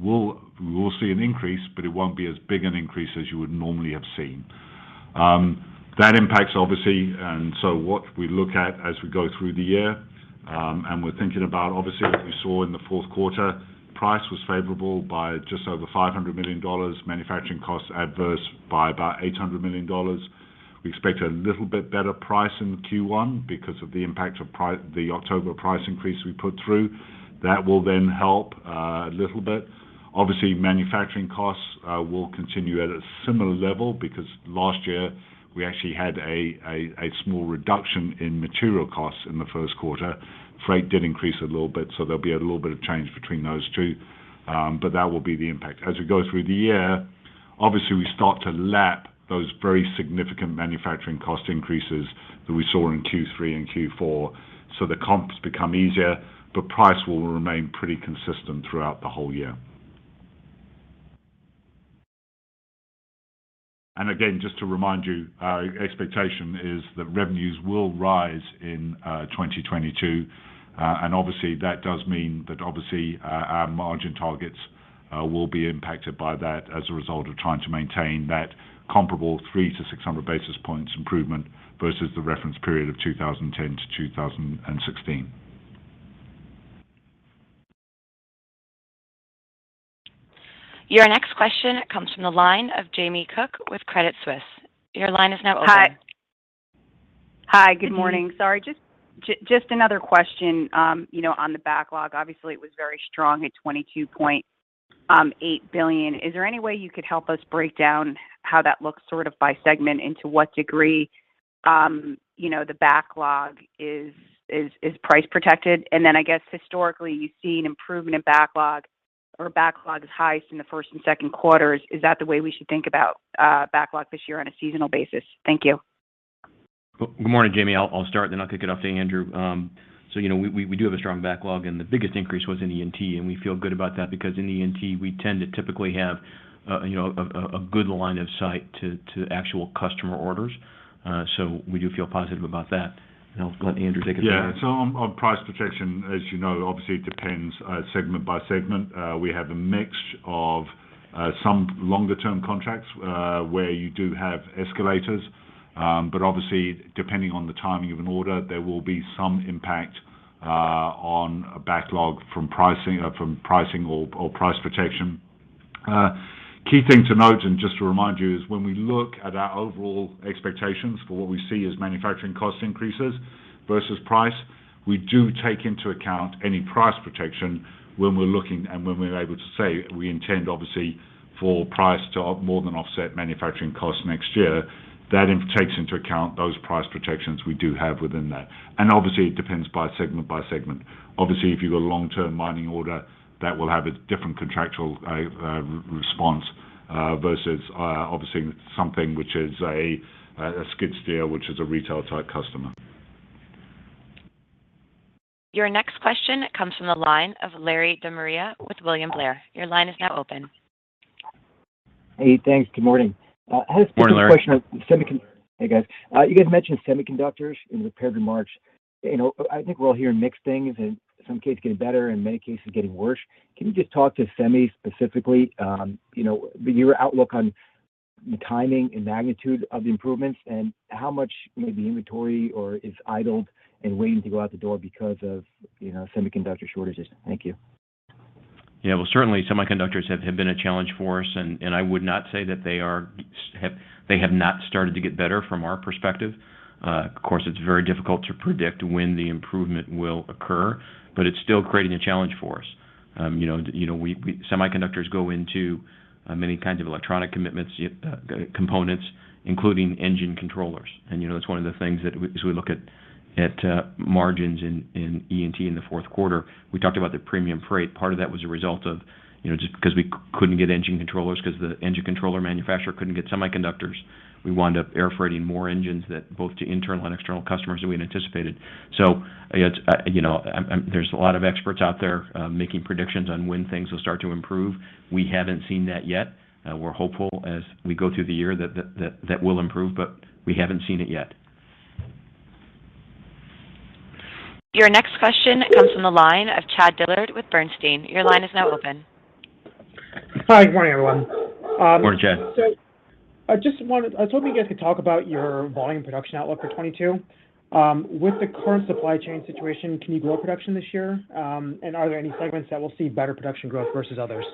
we will see an increase, but it won't be as big an increase as you would normally have seen. That impacts obviously what we look at as we go through the year, and we're thinking about, obviously, what we saw in the Q4, price was favorable by just over $500 million, manufacturing costs adverse by about $800 million. We expect a little bit better price in Q1 because of the impact of the October price increase we put through. That will then help a little bit. Obviously, manufacturing costs will continue at a similar level because last year we actually had a small reduction in material costs in the Q1. Freight did increase a little bit, so there'll be a little bit of change between those two, but that will be the impact. As we go through the year, obviously, we start to lap those very significant manufacturing cost increases that we saw in Q3 and Q4. So the comps become easier, but price will remain pretty consistent throughout the whole year. Again, just to remind you, our expectation is that revenues will rise in 2022. Obviously, that does mean that obviously our margin targets will be impacted by that as a result of trying to maintain that comparable 300-600 basis points improvement versus the reference period of 2010-2016. Your next question comes from the line of Jamie Cook with Credit Suisse. Your line is now open. Hi. Good morning. Sorry. Just another question, you know, on the backlog. Obviously, it was very strong at $22.8 billion. Is there any way you could help us break down how that looks sort of by segment and to what degree, you know, the backlog is price protected? I guess historically, you've seen improvement in backlog or backlog is highest in the first and Q2. Is that the way we should think about backlog this year on a seasonal basis? Thank you. Good morning, Jamie. I'll start, then I'll kick it off to Andrew. You know, we do have a strong backlog, and the biggest increase was in E&T, and we feel good about that because in E&T, we tend to typically have you know, a good line of sight to actual customer orders. We do feel positive about that. I'll let Andrew take it from here. On price protection, as you know, obviously it depends segment by segment. We have a mix of some longer term contracts where you do have escalators. But obviously, depending on the timing of an order, there will be some impact on a backlog from pricing or price protection. Key thing to note, and just to remind you, is when we look at our overall expectations for what we see as manufacturing cost increases versus price, we do take into account any price protection when we're looking and when we're able to say we intend obviously for price to more than offset manufacturing costs next year. That takes into account those price protections we do have within that. Obviously, it depends by segment by segment. Obviously, if you've got a long-term mining order, that will have a different contractual response versus obviously something which is a skid steer, which is a retail type customer. Your next question comes from the line of Larry De Maria with William Blair. Your line is now open. Hey, thanks. Good morning. I just have a question. Morning, Larry. Hey, guys. You guys mentioned semiconductors in prepared remarks. You know, I think we're all hearing mixed things, in some cases getting better, in many cases getting worse. Can you just talk to semis specifically, you know, your outlook on the timing and magnitude of the improvements and how much maybe inventory or is idled and waiting to go out the door because of, you know, semiconductor shortages? Thank you. Yeah. Well, certainly semiconductors have been a challenge for us, and I would not say that they have not started to get better from our perspective. Of course, it's very difficult to predict when the improvement will occur, but it's still creating a challenge for us. You know, semiconductors go into many kinds of electronic components, including engine controllers. You know, that's one of the things that as we look at margins in E&T in the Q4, we talked about the premium freight. Part of that was a result of, you know, just because we couldn't get engine controllers because the engine controller manufacturer couldn't get semiconductors. We wound up air freighting more engines to both internal and external customers than we had anticipated. You know, there's a lot of experts out there making predictions on when things will start to improve. We haven't seen that yet. We're hopeful as we go through the year that will improve, but we haven't seen it yet. Your next question comes from the line of Chad Dillard with Bernstein. Your line is now open. Hi. Good morning, everyone. Morning, Chad. I was hoping you guys could talk about your volume production outlook for 2022. With the current supply chain situation, can you grow production this year? Are there any segments that will see better production growth versus others?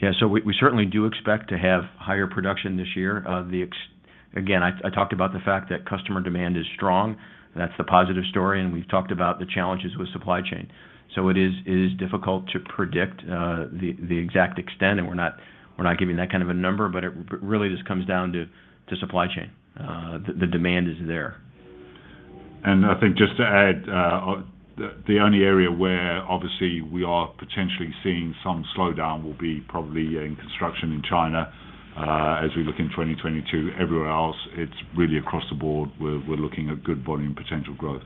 Yeah. We certainly do expect to have higher production this year. Again, I talked about the fact that customer demand is strong. That's the positive story, and we've talked about the challenges with supply chain. It is difficult to predict the exact extent, and we're not giving that kind of a number, but it really just comes down to supply chain. The demand is there. I think just to add, the only area where obviously we are potentially seeing some slowdown will be probably in construction in China. As we look in 2022, everywhere else, it's really across the board, we're looking at good volume potential growth.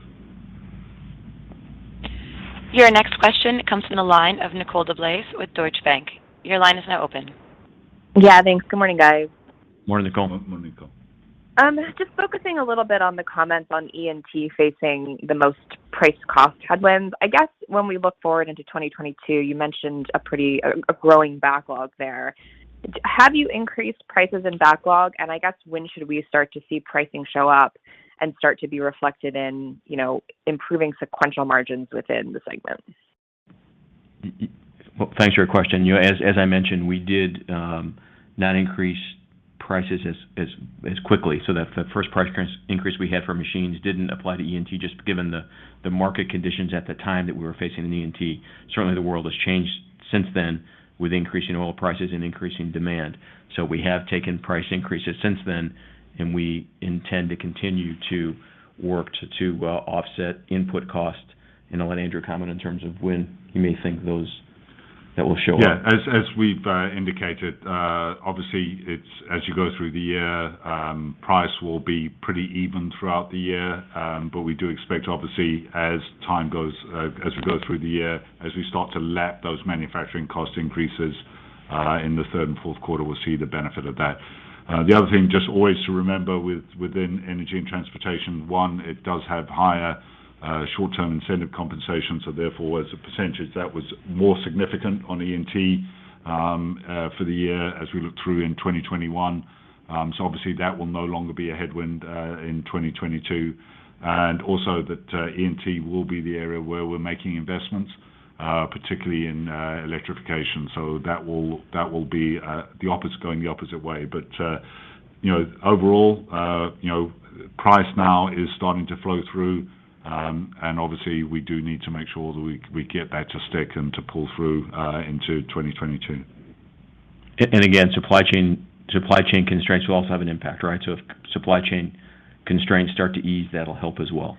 Your next question comes from the line of Nicole DeBlase with Deutsche Bank. Your line is now open. Yeah, thanks. Good morning, guys. Morning, Nicole. Morning, Nicole. Just focusing a little bit on the comments on E&T facing the most price cost headwinds. I guess when we look forward into 2022, you mentioned a growing backlog there. Have you increased prices in backlog? I guess when should we start to see pricing show up and start to be reflected in, you know, improving sequential margins within the segment? Well, thanks for your question. You know, as I mentioned, we did not increase prices as quickly, so that the first price increase we had for machines didn't apply to E&T, just given the market conditions at the time that we were facing in E&T. Certainly, the world has changed since then with increasing oil prices and increasing demand. We have taken prices since then, and we intend to continue to work to offset input costs. I'll let Andrew comment in terms of when you may think those that will show up. Yeah. As we've indicated, obviously, it's as you go through the year, price will be pretty even throughout the year. But we do expect, obviously, as time goes, as we go through the year, as we start to lap those manufacturing cost increases in the third and Q4, we'll see the benefit of that. The other thing, just always to remember within Energy & Transportation, one, it does have higher short-term incentive compensation, so therefore, as a percentage, that was more significant on E&T for the year as we look through in 2021. So obviously that will no longer be a headwind in 2022. Also that E&T will be the area where we're making investments, particularly in electrification. That will be the opposite, going the opposite way. You know, overall, you know, price now is starting to flow through, and obviously, we do need to make sure that we get that to stick and to pull through into 2022. And again, supply chain constraints will also have an impact, right? If supply chain constraints start to ease, that'll help as well.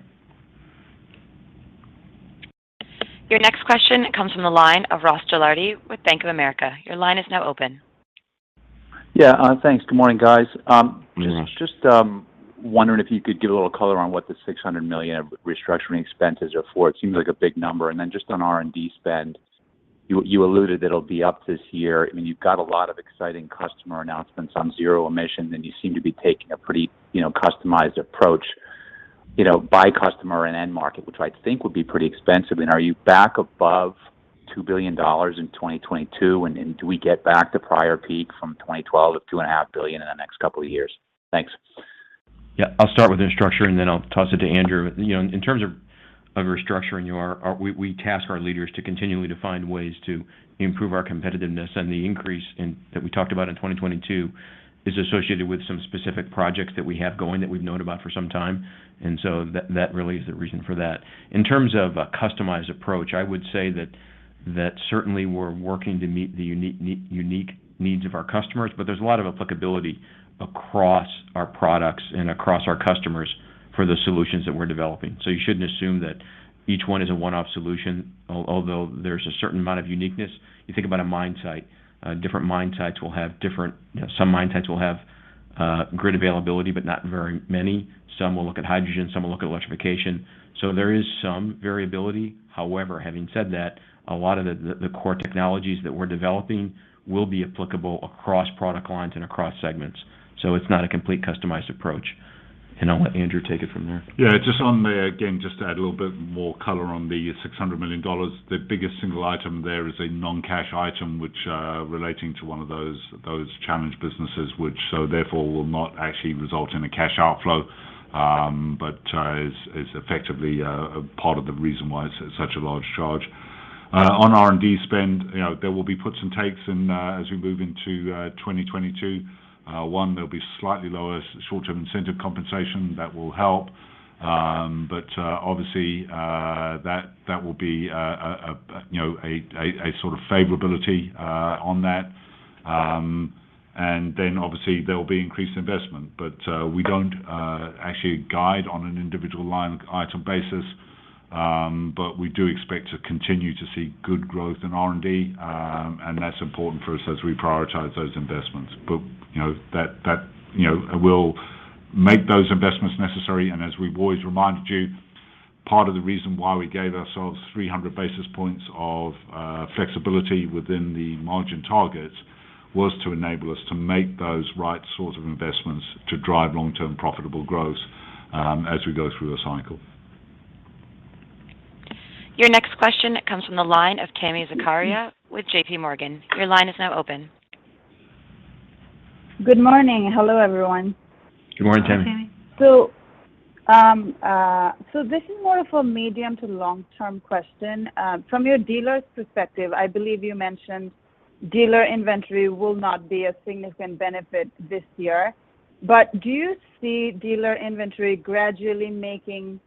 Your next question comes from the line of Ross Gilardi with Bank of America. Your line is now open. Yeah. Thanks. Good morning, guys. Morning, Ross. Just wondering if you could give a little color on what the $600 million of restructuring expenses are for. It seems like a big number. Just on R&D spend, you alluded it'll be up this year. I mean, you've got a lot of exciting customer announcements on zero emission, and you seem to be taking a pretty, you know, customized approach, you know, by customer and end market, which I think would be pretty expensive. Are you back above $2 billion in 2022? Do we get back to prior peak from 2012 of $2.5 billion in the next couple of years? Thanks. Yeah. I'll start with restructuring, then I'll toss it to Andrew. In terms of restructuring, we task our leaders to continually find ways to improve our competitiveness, and the increase that we talked about in 2022 is associated with some specific projects that we have going that we've known about for some time. That really is the reason for that. In terms of a customized approach, I would say that certainly we're working to meet the unique needs of our customers, but there's a lot of applicability across our products and across our customers for the solutions that we're developing. You shouldn't assume that each one is a one-off solution, although there's a certain amount of uniqueness. You think about a mine site. Different mine sites will have different. You know, some mine sites will have grid availability, but not very many. Some will look at hydrogen, some will look at electrification. There is some variability. However, having said that, a lot of the core technologies that we're developing will be applicable across product lines and across segments. It's not a complete customized approach. I'll let Andrew take it from there. Yeah. Just on the again just to add a little bit more color on the $600 million. The biggest single item there is a non-cash item, which relating to one of those challenged businesses, which so therefore will not actually result in a cash outflow, but is effectively a part of the reason why it's such a large charge. On R&D spend, you know, there will be puts and takes and as we move into 2022. One, there'll be slightly lower short-term incentive compensation that will help. Obviously that will be a you know a sort of favorability on that. Then obviously there will be increased investment. We don't actually guide on an individual line item basis, but we do expect to continue to see good growth in R&D, and that's important for us as we prioritize those investments. You know, that you know will make those investments necessary. As we've always reminded you, part of the reason why we gave ourselves 300 basis points of flexibility within the margin targets was to enable us to make those right sorts of investments to drive long-term profitable growth, as we go through the cycle. Your next question comes from the line of Tami Zakaria with J.P. Morgan. Your line is now open. Good morning. Hello, everyone. Good morning, Tami. Good morning, Tami. This is more of a medium to long-term question. From your dealers' perspective, I believe you mentioned dealer inventory will not be a significant benefit this year. Do you see dealer inventory gradually making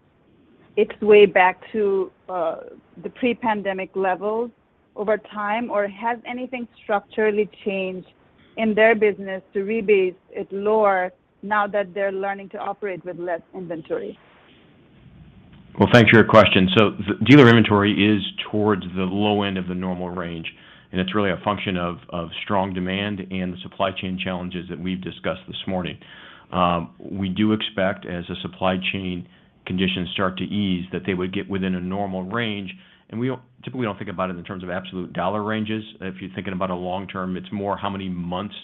its way back to the pre-pandemic levels over time? Has anything structurally changed in their business to rebase it lower now that they're learning to operate with less inventory? Well, thanks for your question. Dealer inventory is towards the low end of the normal range, and it's really a function of strong demand and the supply chain challenges that we've discussed this morning. We do expect, as the supply chain conditions start to ease, that they would get within a normal range. We don't typically think about it in terms of absolute dollar ranges. If you're thinking about it long term, it's more how many months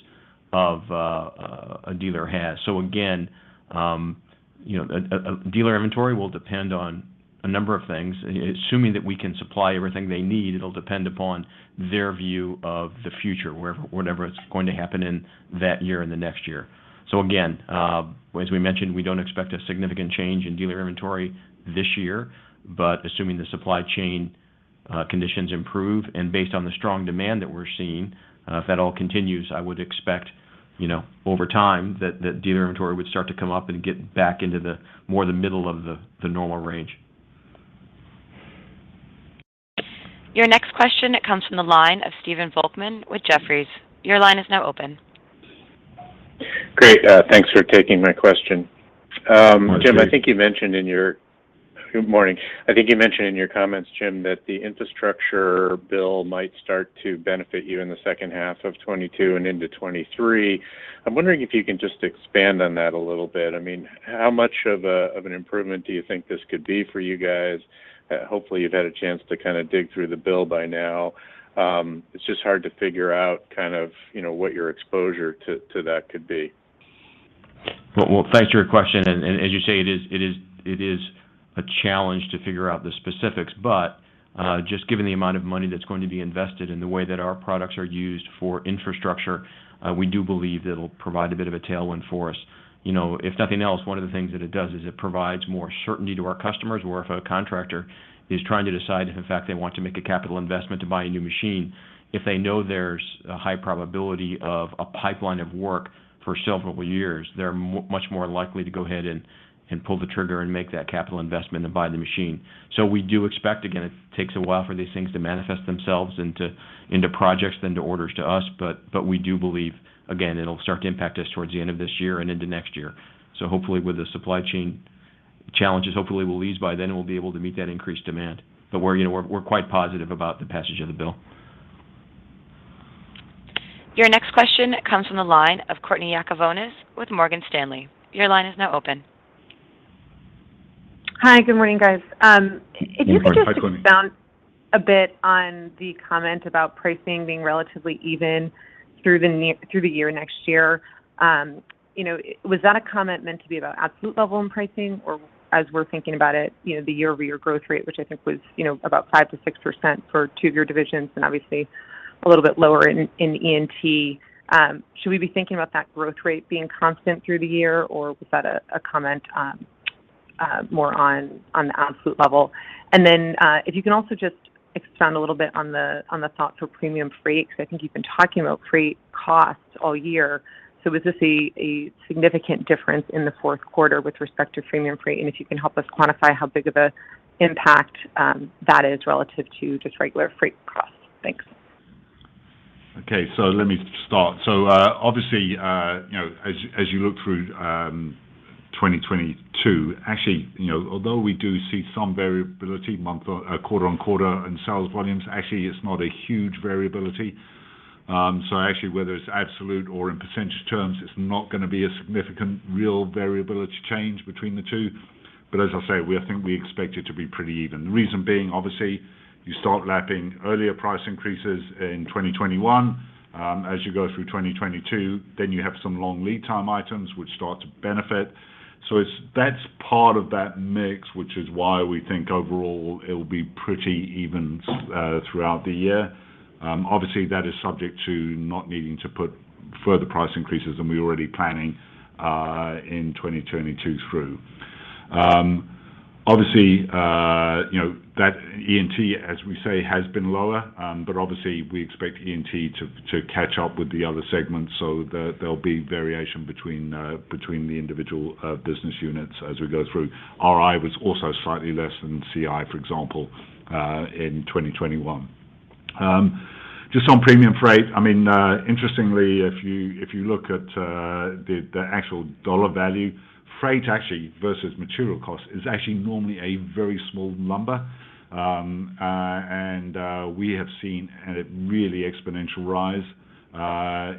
a dealer has. Again, you know, a dealer inventory will depend on a number of things. Assuming that we can supply everything they need, it'll depend upon their view of the future, whatever is going to happen in that year and the next year. Again, as we mentioned, we don't expect a significant change in dealer inventory this year. Assuming the supply chain conditions improve and based on the strong demand that we're seeing, if that all continues, I would expect, you know, over time that dealer inventory would start to come up and get back into the middle of the normal range. Your next question comes from the line of Stephen Volkmann with Jefferies. Your line is now open. Great. Thanks for taking my question. Hi, Stephen. Good morning. I think you mentioned in your comments, Jim, that the infrastructure bill might start to benefit you in the second half of 2022 and into 2023. I'm wondering if you can just expand on that a little bit. I mean, how much of an improvement do you think this could be for you guys? Hopefully, you've had a chance to kind of dig through the bill by now. It's just hard to figure out kind of, you know, what your exposure to that could be. Well, thanks for your question. As you say, it is a challenge to figure out the specifics, but just given the amount of money that's going to be invested and the way that our products are used for infrastructure, we do believe it'll provide a bit of a tailwind for us. You know, if nothing else, one of the things that it does is it provides more certainty to our customers, where if a contractor is trying to decide if, in fact, they want to make a capital investment to buy a new machine. If they know there's a high probability of a pipeline of work for several years, they're much more likely to go ahead and pull the trigger and make that capital investment and buy the machine. We do expect, again, it takes a while for these things to manifest themselves into projects then to orders to us. We do believe, again, it'll start to impact us towards the end of this year and into next year. Hopefully, with the supply chain challenges, hopefully will ease by then, and we'll be able to meet that increased demand. We're, you know, quite positive about the passage of the bill. Your next question comes from the line of Courtney Yakavonis with Morgan Stanley. Your line is now open. Hi, good morning, guys. If you could just. Good morning, Courtney. Expound a bit on the comment about pricing being relatively even through the year next year. You know, was that a comment meant to be about absolute level in pricing or as we're thinking about it, you know, the year-over-year growth rate, which I think was, you know, about 5%-6% for two of your divisions and obviously a little bit lower in E&T. Should we be thinking about that growth rate being constant through the year, or was that a comment more on the absolute level? And then, if you can also just expand a little bit on the thoughts for premium freight, because I think you've been talking about freight costs all year. So is this a significant difference in the Q4 with respect to premium freight? If you can help us quantify how big of an impact that is relative to just regular freight costs? Thanks. Okay, let me start. Obviously, you know, as you look through 2022, actually, you know, although we do see some variability month-to-month or quarter-on-quarter in sales volumes, actually it's not a huge variability. Actually, whether it's absolute or in percentage terms, it's not gonna be a significant real variability change between the two. As I say, we expect it to be pretty even. The reason being, obviously, you start lapping earlier price increases in 2021. As you go through 2022, then you have some long lead time items which start to benefit. That's part of that mix, which is why we think overall it'll be pretty even throughout the year. Obviously, that is subject to not needing to put further price increases than we're already planning in 2022 through. Obviously, you know, that E&T, as we say, has been lower, but obviously, we expect E&T to catch up with the other segments so that there'll be variation between the individual business units as we go through. RI was also slightly less than CI, for example, in 2021. Just on premium freight, I mean, interestingly, if you look at the actual dollar value, freight actually versus material cost is actually normally a very small number. We have seen a really exponential rise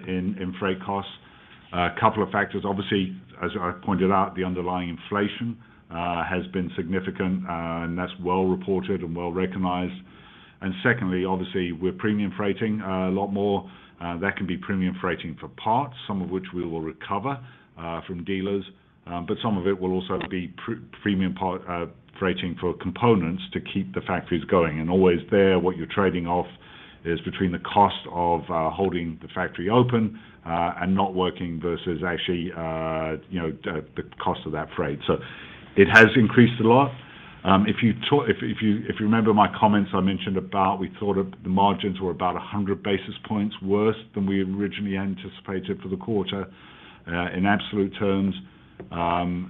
in freight costs. A couple of factors, obviously, as I pointed out, the underlying inflation has been significant, and that's well reported and well recognized. Secondly, obviously, we're premium freighting a lot more. That can be premium freighting for parts, some of which we will recover from dealers, but some of it will also be premium part freighting for components to keep the factories going. Always there, what you're trading off is between the cost of holding the factory open and not working versus actually, you know, the cost of that freight. It has increased a lot. If you remember my comments I mentioned about we thought the margins were about 100 basis points worse than we originally anticipated for the quarter. In absolute terms,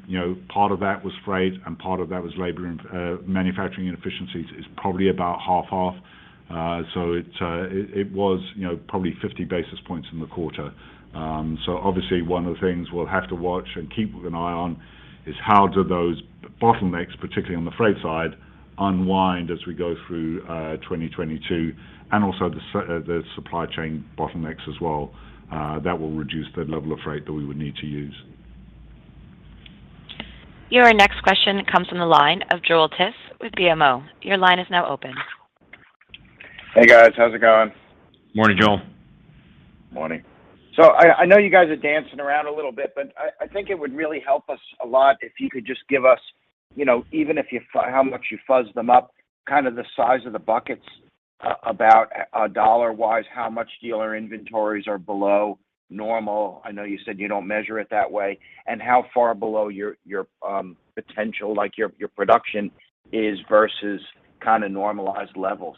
you know, part of that was freight and part of that was labor and manufacturing inefficiencies is probably about half. It was, you know, probably 50 basis points in the quarter. Obviously one of the things we'll have to watch and keep an eye on is how do those bottlenecks, particularly on the freight side, unwind as we go through 2022 and also the supply chain bottlenecks as well that will reduce the level of freight that we would need to use. Your next question comes from the line of Joel Tiss with BMO. Your line is now open. Hey, guys. How's it going? Morning, Joel. Morning. I know you guys are dancing around a little bit, but I think it would really help us a lot if you could just give us, you know, even if you fu-- how much you fuzz them up, kind of the size of the buckets about dollar-wise, how much dealer inventories are below normal. I know you said you don't measure it that way, and how far below your potential, like, your production is versus kind of normalized levels.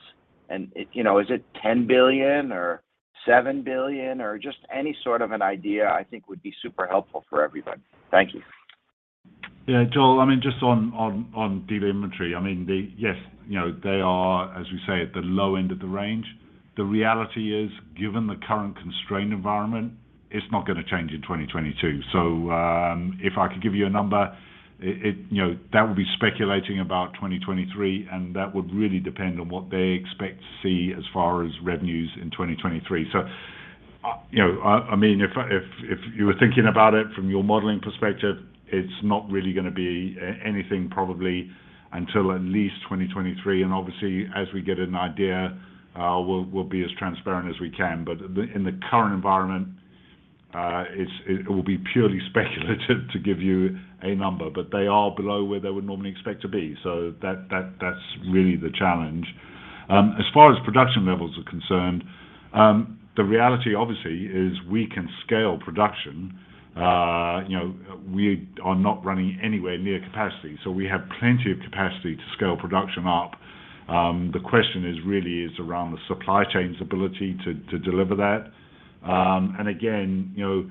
It, you know, is it $10 billion or $7 billion or just any sort of an idea I think would be super helpful for everybody. Thank you. Yeah. Joel, I mean, just on dealer inventory, I mean, they, yes, you know, they are, as we say, at the low end of the range. The reality is, given the current constrained environment, it's not gonna change in 2022. If I could give you a number, you know, that would be speculating about 2023, and that would really depend on what they expect to see as far as revenues in 2023. You know, I mean, if you were thinking about it from your modeling perspective, it's not really gonna be anything probably until at least 2023. Obviously as we get an idea, we'll be as transparent as we can. In the current environment, it will be purely speculative to give you a number, but they are below where they would normally expect to be. That's really the challenge. As far as production levels are concerned, the reality obviously is we can scale production. You know, we are not running anywhere near capacity, so we have plenty of capacity to scale production up. The question is really around the supply chain's ability to deliver that. And again, you know,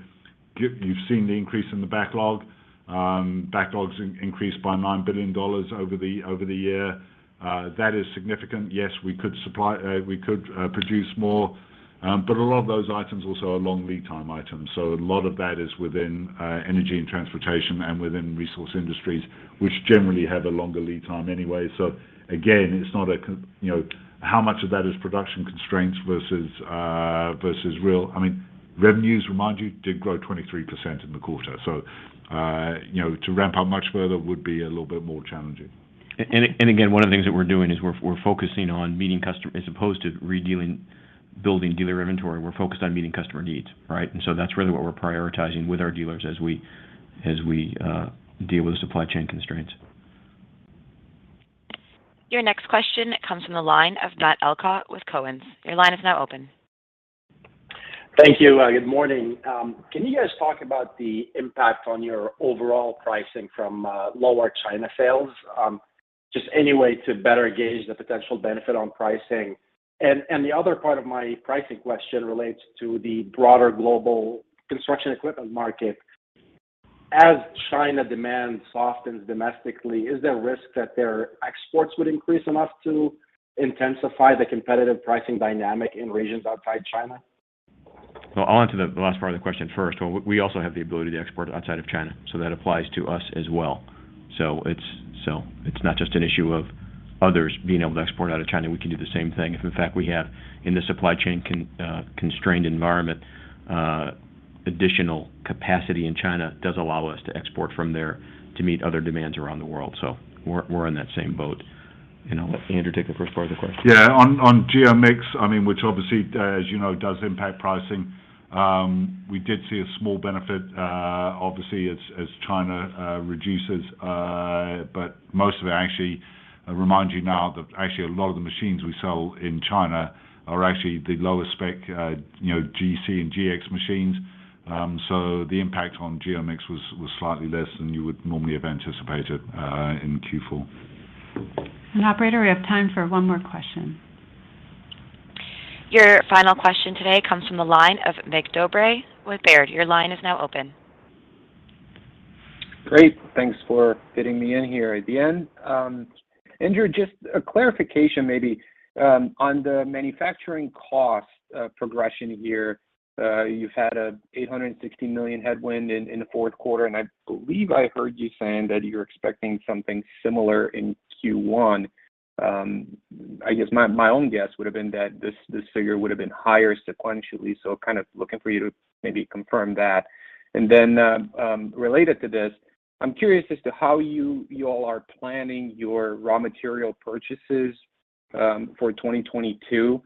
you've seen the increase in the backlog. Backlogs increased by $9 billion over the year. That is significant. Yes, we could supply, we could produce more, but a lot of those items also are long lead time items, so a lot of that is within Energy & Transportation and within Resource Industries, which generally have a longer lead time anyway. So again, it's not a, you know, how much of that is production constraints versus real. I mean, revenues, remind you, did grow 23% in the quarter. So, you know, to ramp up much further would be a little bit more challenging. And again, one of the things that we're doing is we're focusing on meeting customer needs as opposed to building dealer inventory. We're focused on meeting customer needs, right? That's really what we're prioritizing with our dealers as we deal with the supply chain constraints. Your next question comes from the line of Matt Elkott with TD Cowen. Your line is now open. Thank you. Good morning. Can you guys talk about the impact on your overall pricing from lower China sales? Just any way to better gauge the potential benefit on pricing. The other part of my pricing question relates to the broader global construction equipment market. As China demand softens domestically, is there risk that their exports would increase enough to intensify the competitive pricing dynamic in regions outside China? Well, I'll answer the last part of the question first. We also have the ability to export outside of China, so that applies to us as well. It's not just an issue of others being able to export out of China. We can do the same thing if in fact we have in the supply chain constrained environment, additional capacity in China does allow us to export from there to meet other demands around the world. We're in that same boat. I'll let Andrew take the first part of the question. Yeah. On geo mix, I mean, which obviously, as you know, does impact pricing. We did see a small benefit, obviously as China reduces. Most of it actually reminds you now that actually a lot of the machines we sell in China are actually the lower spec, GC and GX machines. The impact on geo mix was slightly less than you would normally have anticipated in Q4. Operator, we have time for one more question. Your final question today comes from the line of Mircea Dobre with Baird. Your line is now open. Great. Thanks for fitting me in here at the end. Andrew, just a clarification maybe on the manufacturing cost progression here. You've had an $860 million headwind in the Q4, and I believe I heard you saying that you're expecting something similar in Q1. I guess my own guess would have been that this figure would have been higher sequentially, so kind of looking for you to maybe confirm that. Then, related to this, I'm curious as to how you all are planning your raw material purchases for 2022.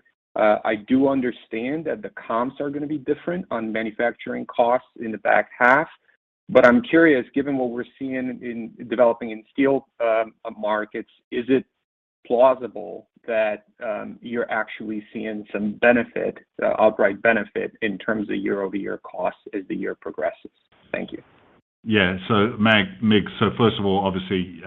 I do understand that the comps are gonna be different on manufacturing costs in the back half. I'm curious, given what we're seeing in developing steel markets, is it plausible that you're actually seeing some benefit, outright benefit in terms of year-over-year costs as the year progresses? Thank you. Yeah, Mircea. First of all, obviously,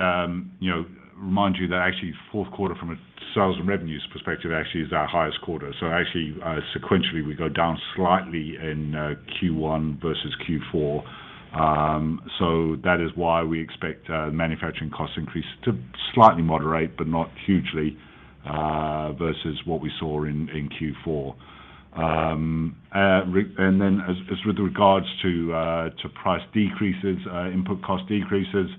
you know, remind you that actually Q4 from a sales and revenues perspective actually is our highest quarter. Actually, sequentially, we go down slightly in Q1 versus Q4. That is why we expect manufacturing costs increase to slightly moderate, but not hugely, versus what we saw in Q4. As with regards to price decreases, input cost decreases,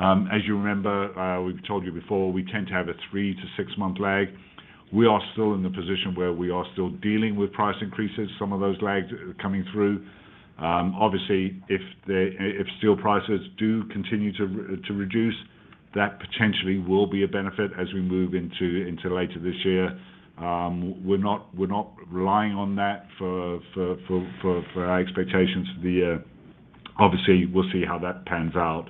as you remember, we've told you before, we tend to have a 3-6-month lag. We are still in the position where we are still dealing with price increases, some of those lags coming through. Obviously, if steel prices do continue to reduce, that potentially will be a benefit as we move into later this year. We're not relying on that for our expectations for the year. Obviously, we'll see how that pans out.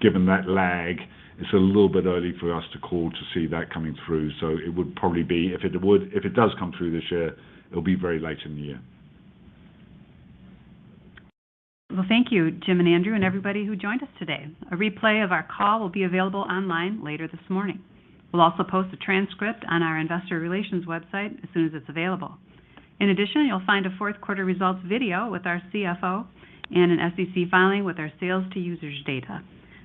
Given that lag, it's a little bit early for us to call to see that coming through. It would probably be if it does come through this year, it'll be very late in the year. Well, thank you, Jim and Andrew, and everybody who joined us today. A replay of our call will be available online later this morning. We'll also post a transcript on our investor relations website as soon as it's available. In addition, you'll find a Q4 results video with our CFO and an SEC filing with our sales to users data.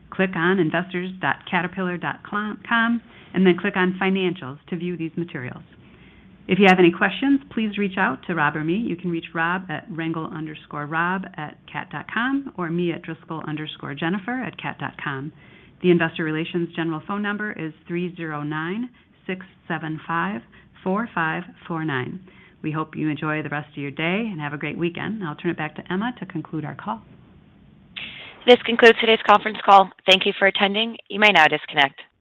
Click on investors.caterpillar.com, and then click on Financials to view these materials. If you have any questions, please reach out to Rob or me. You can reach Rob at rengel_rob@cat.com or me at Driscoll_Jennifer@cat.com. The investor relations general phone number is 309-675-4549. We hope you enjoy the rest of your day and have a great weekend. I'll turn it back to Emma to conclude our call. This concludes today's conference call. Thank you for attending. You may now disconnect.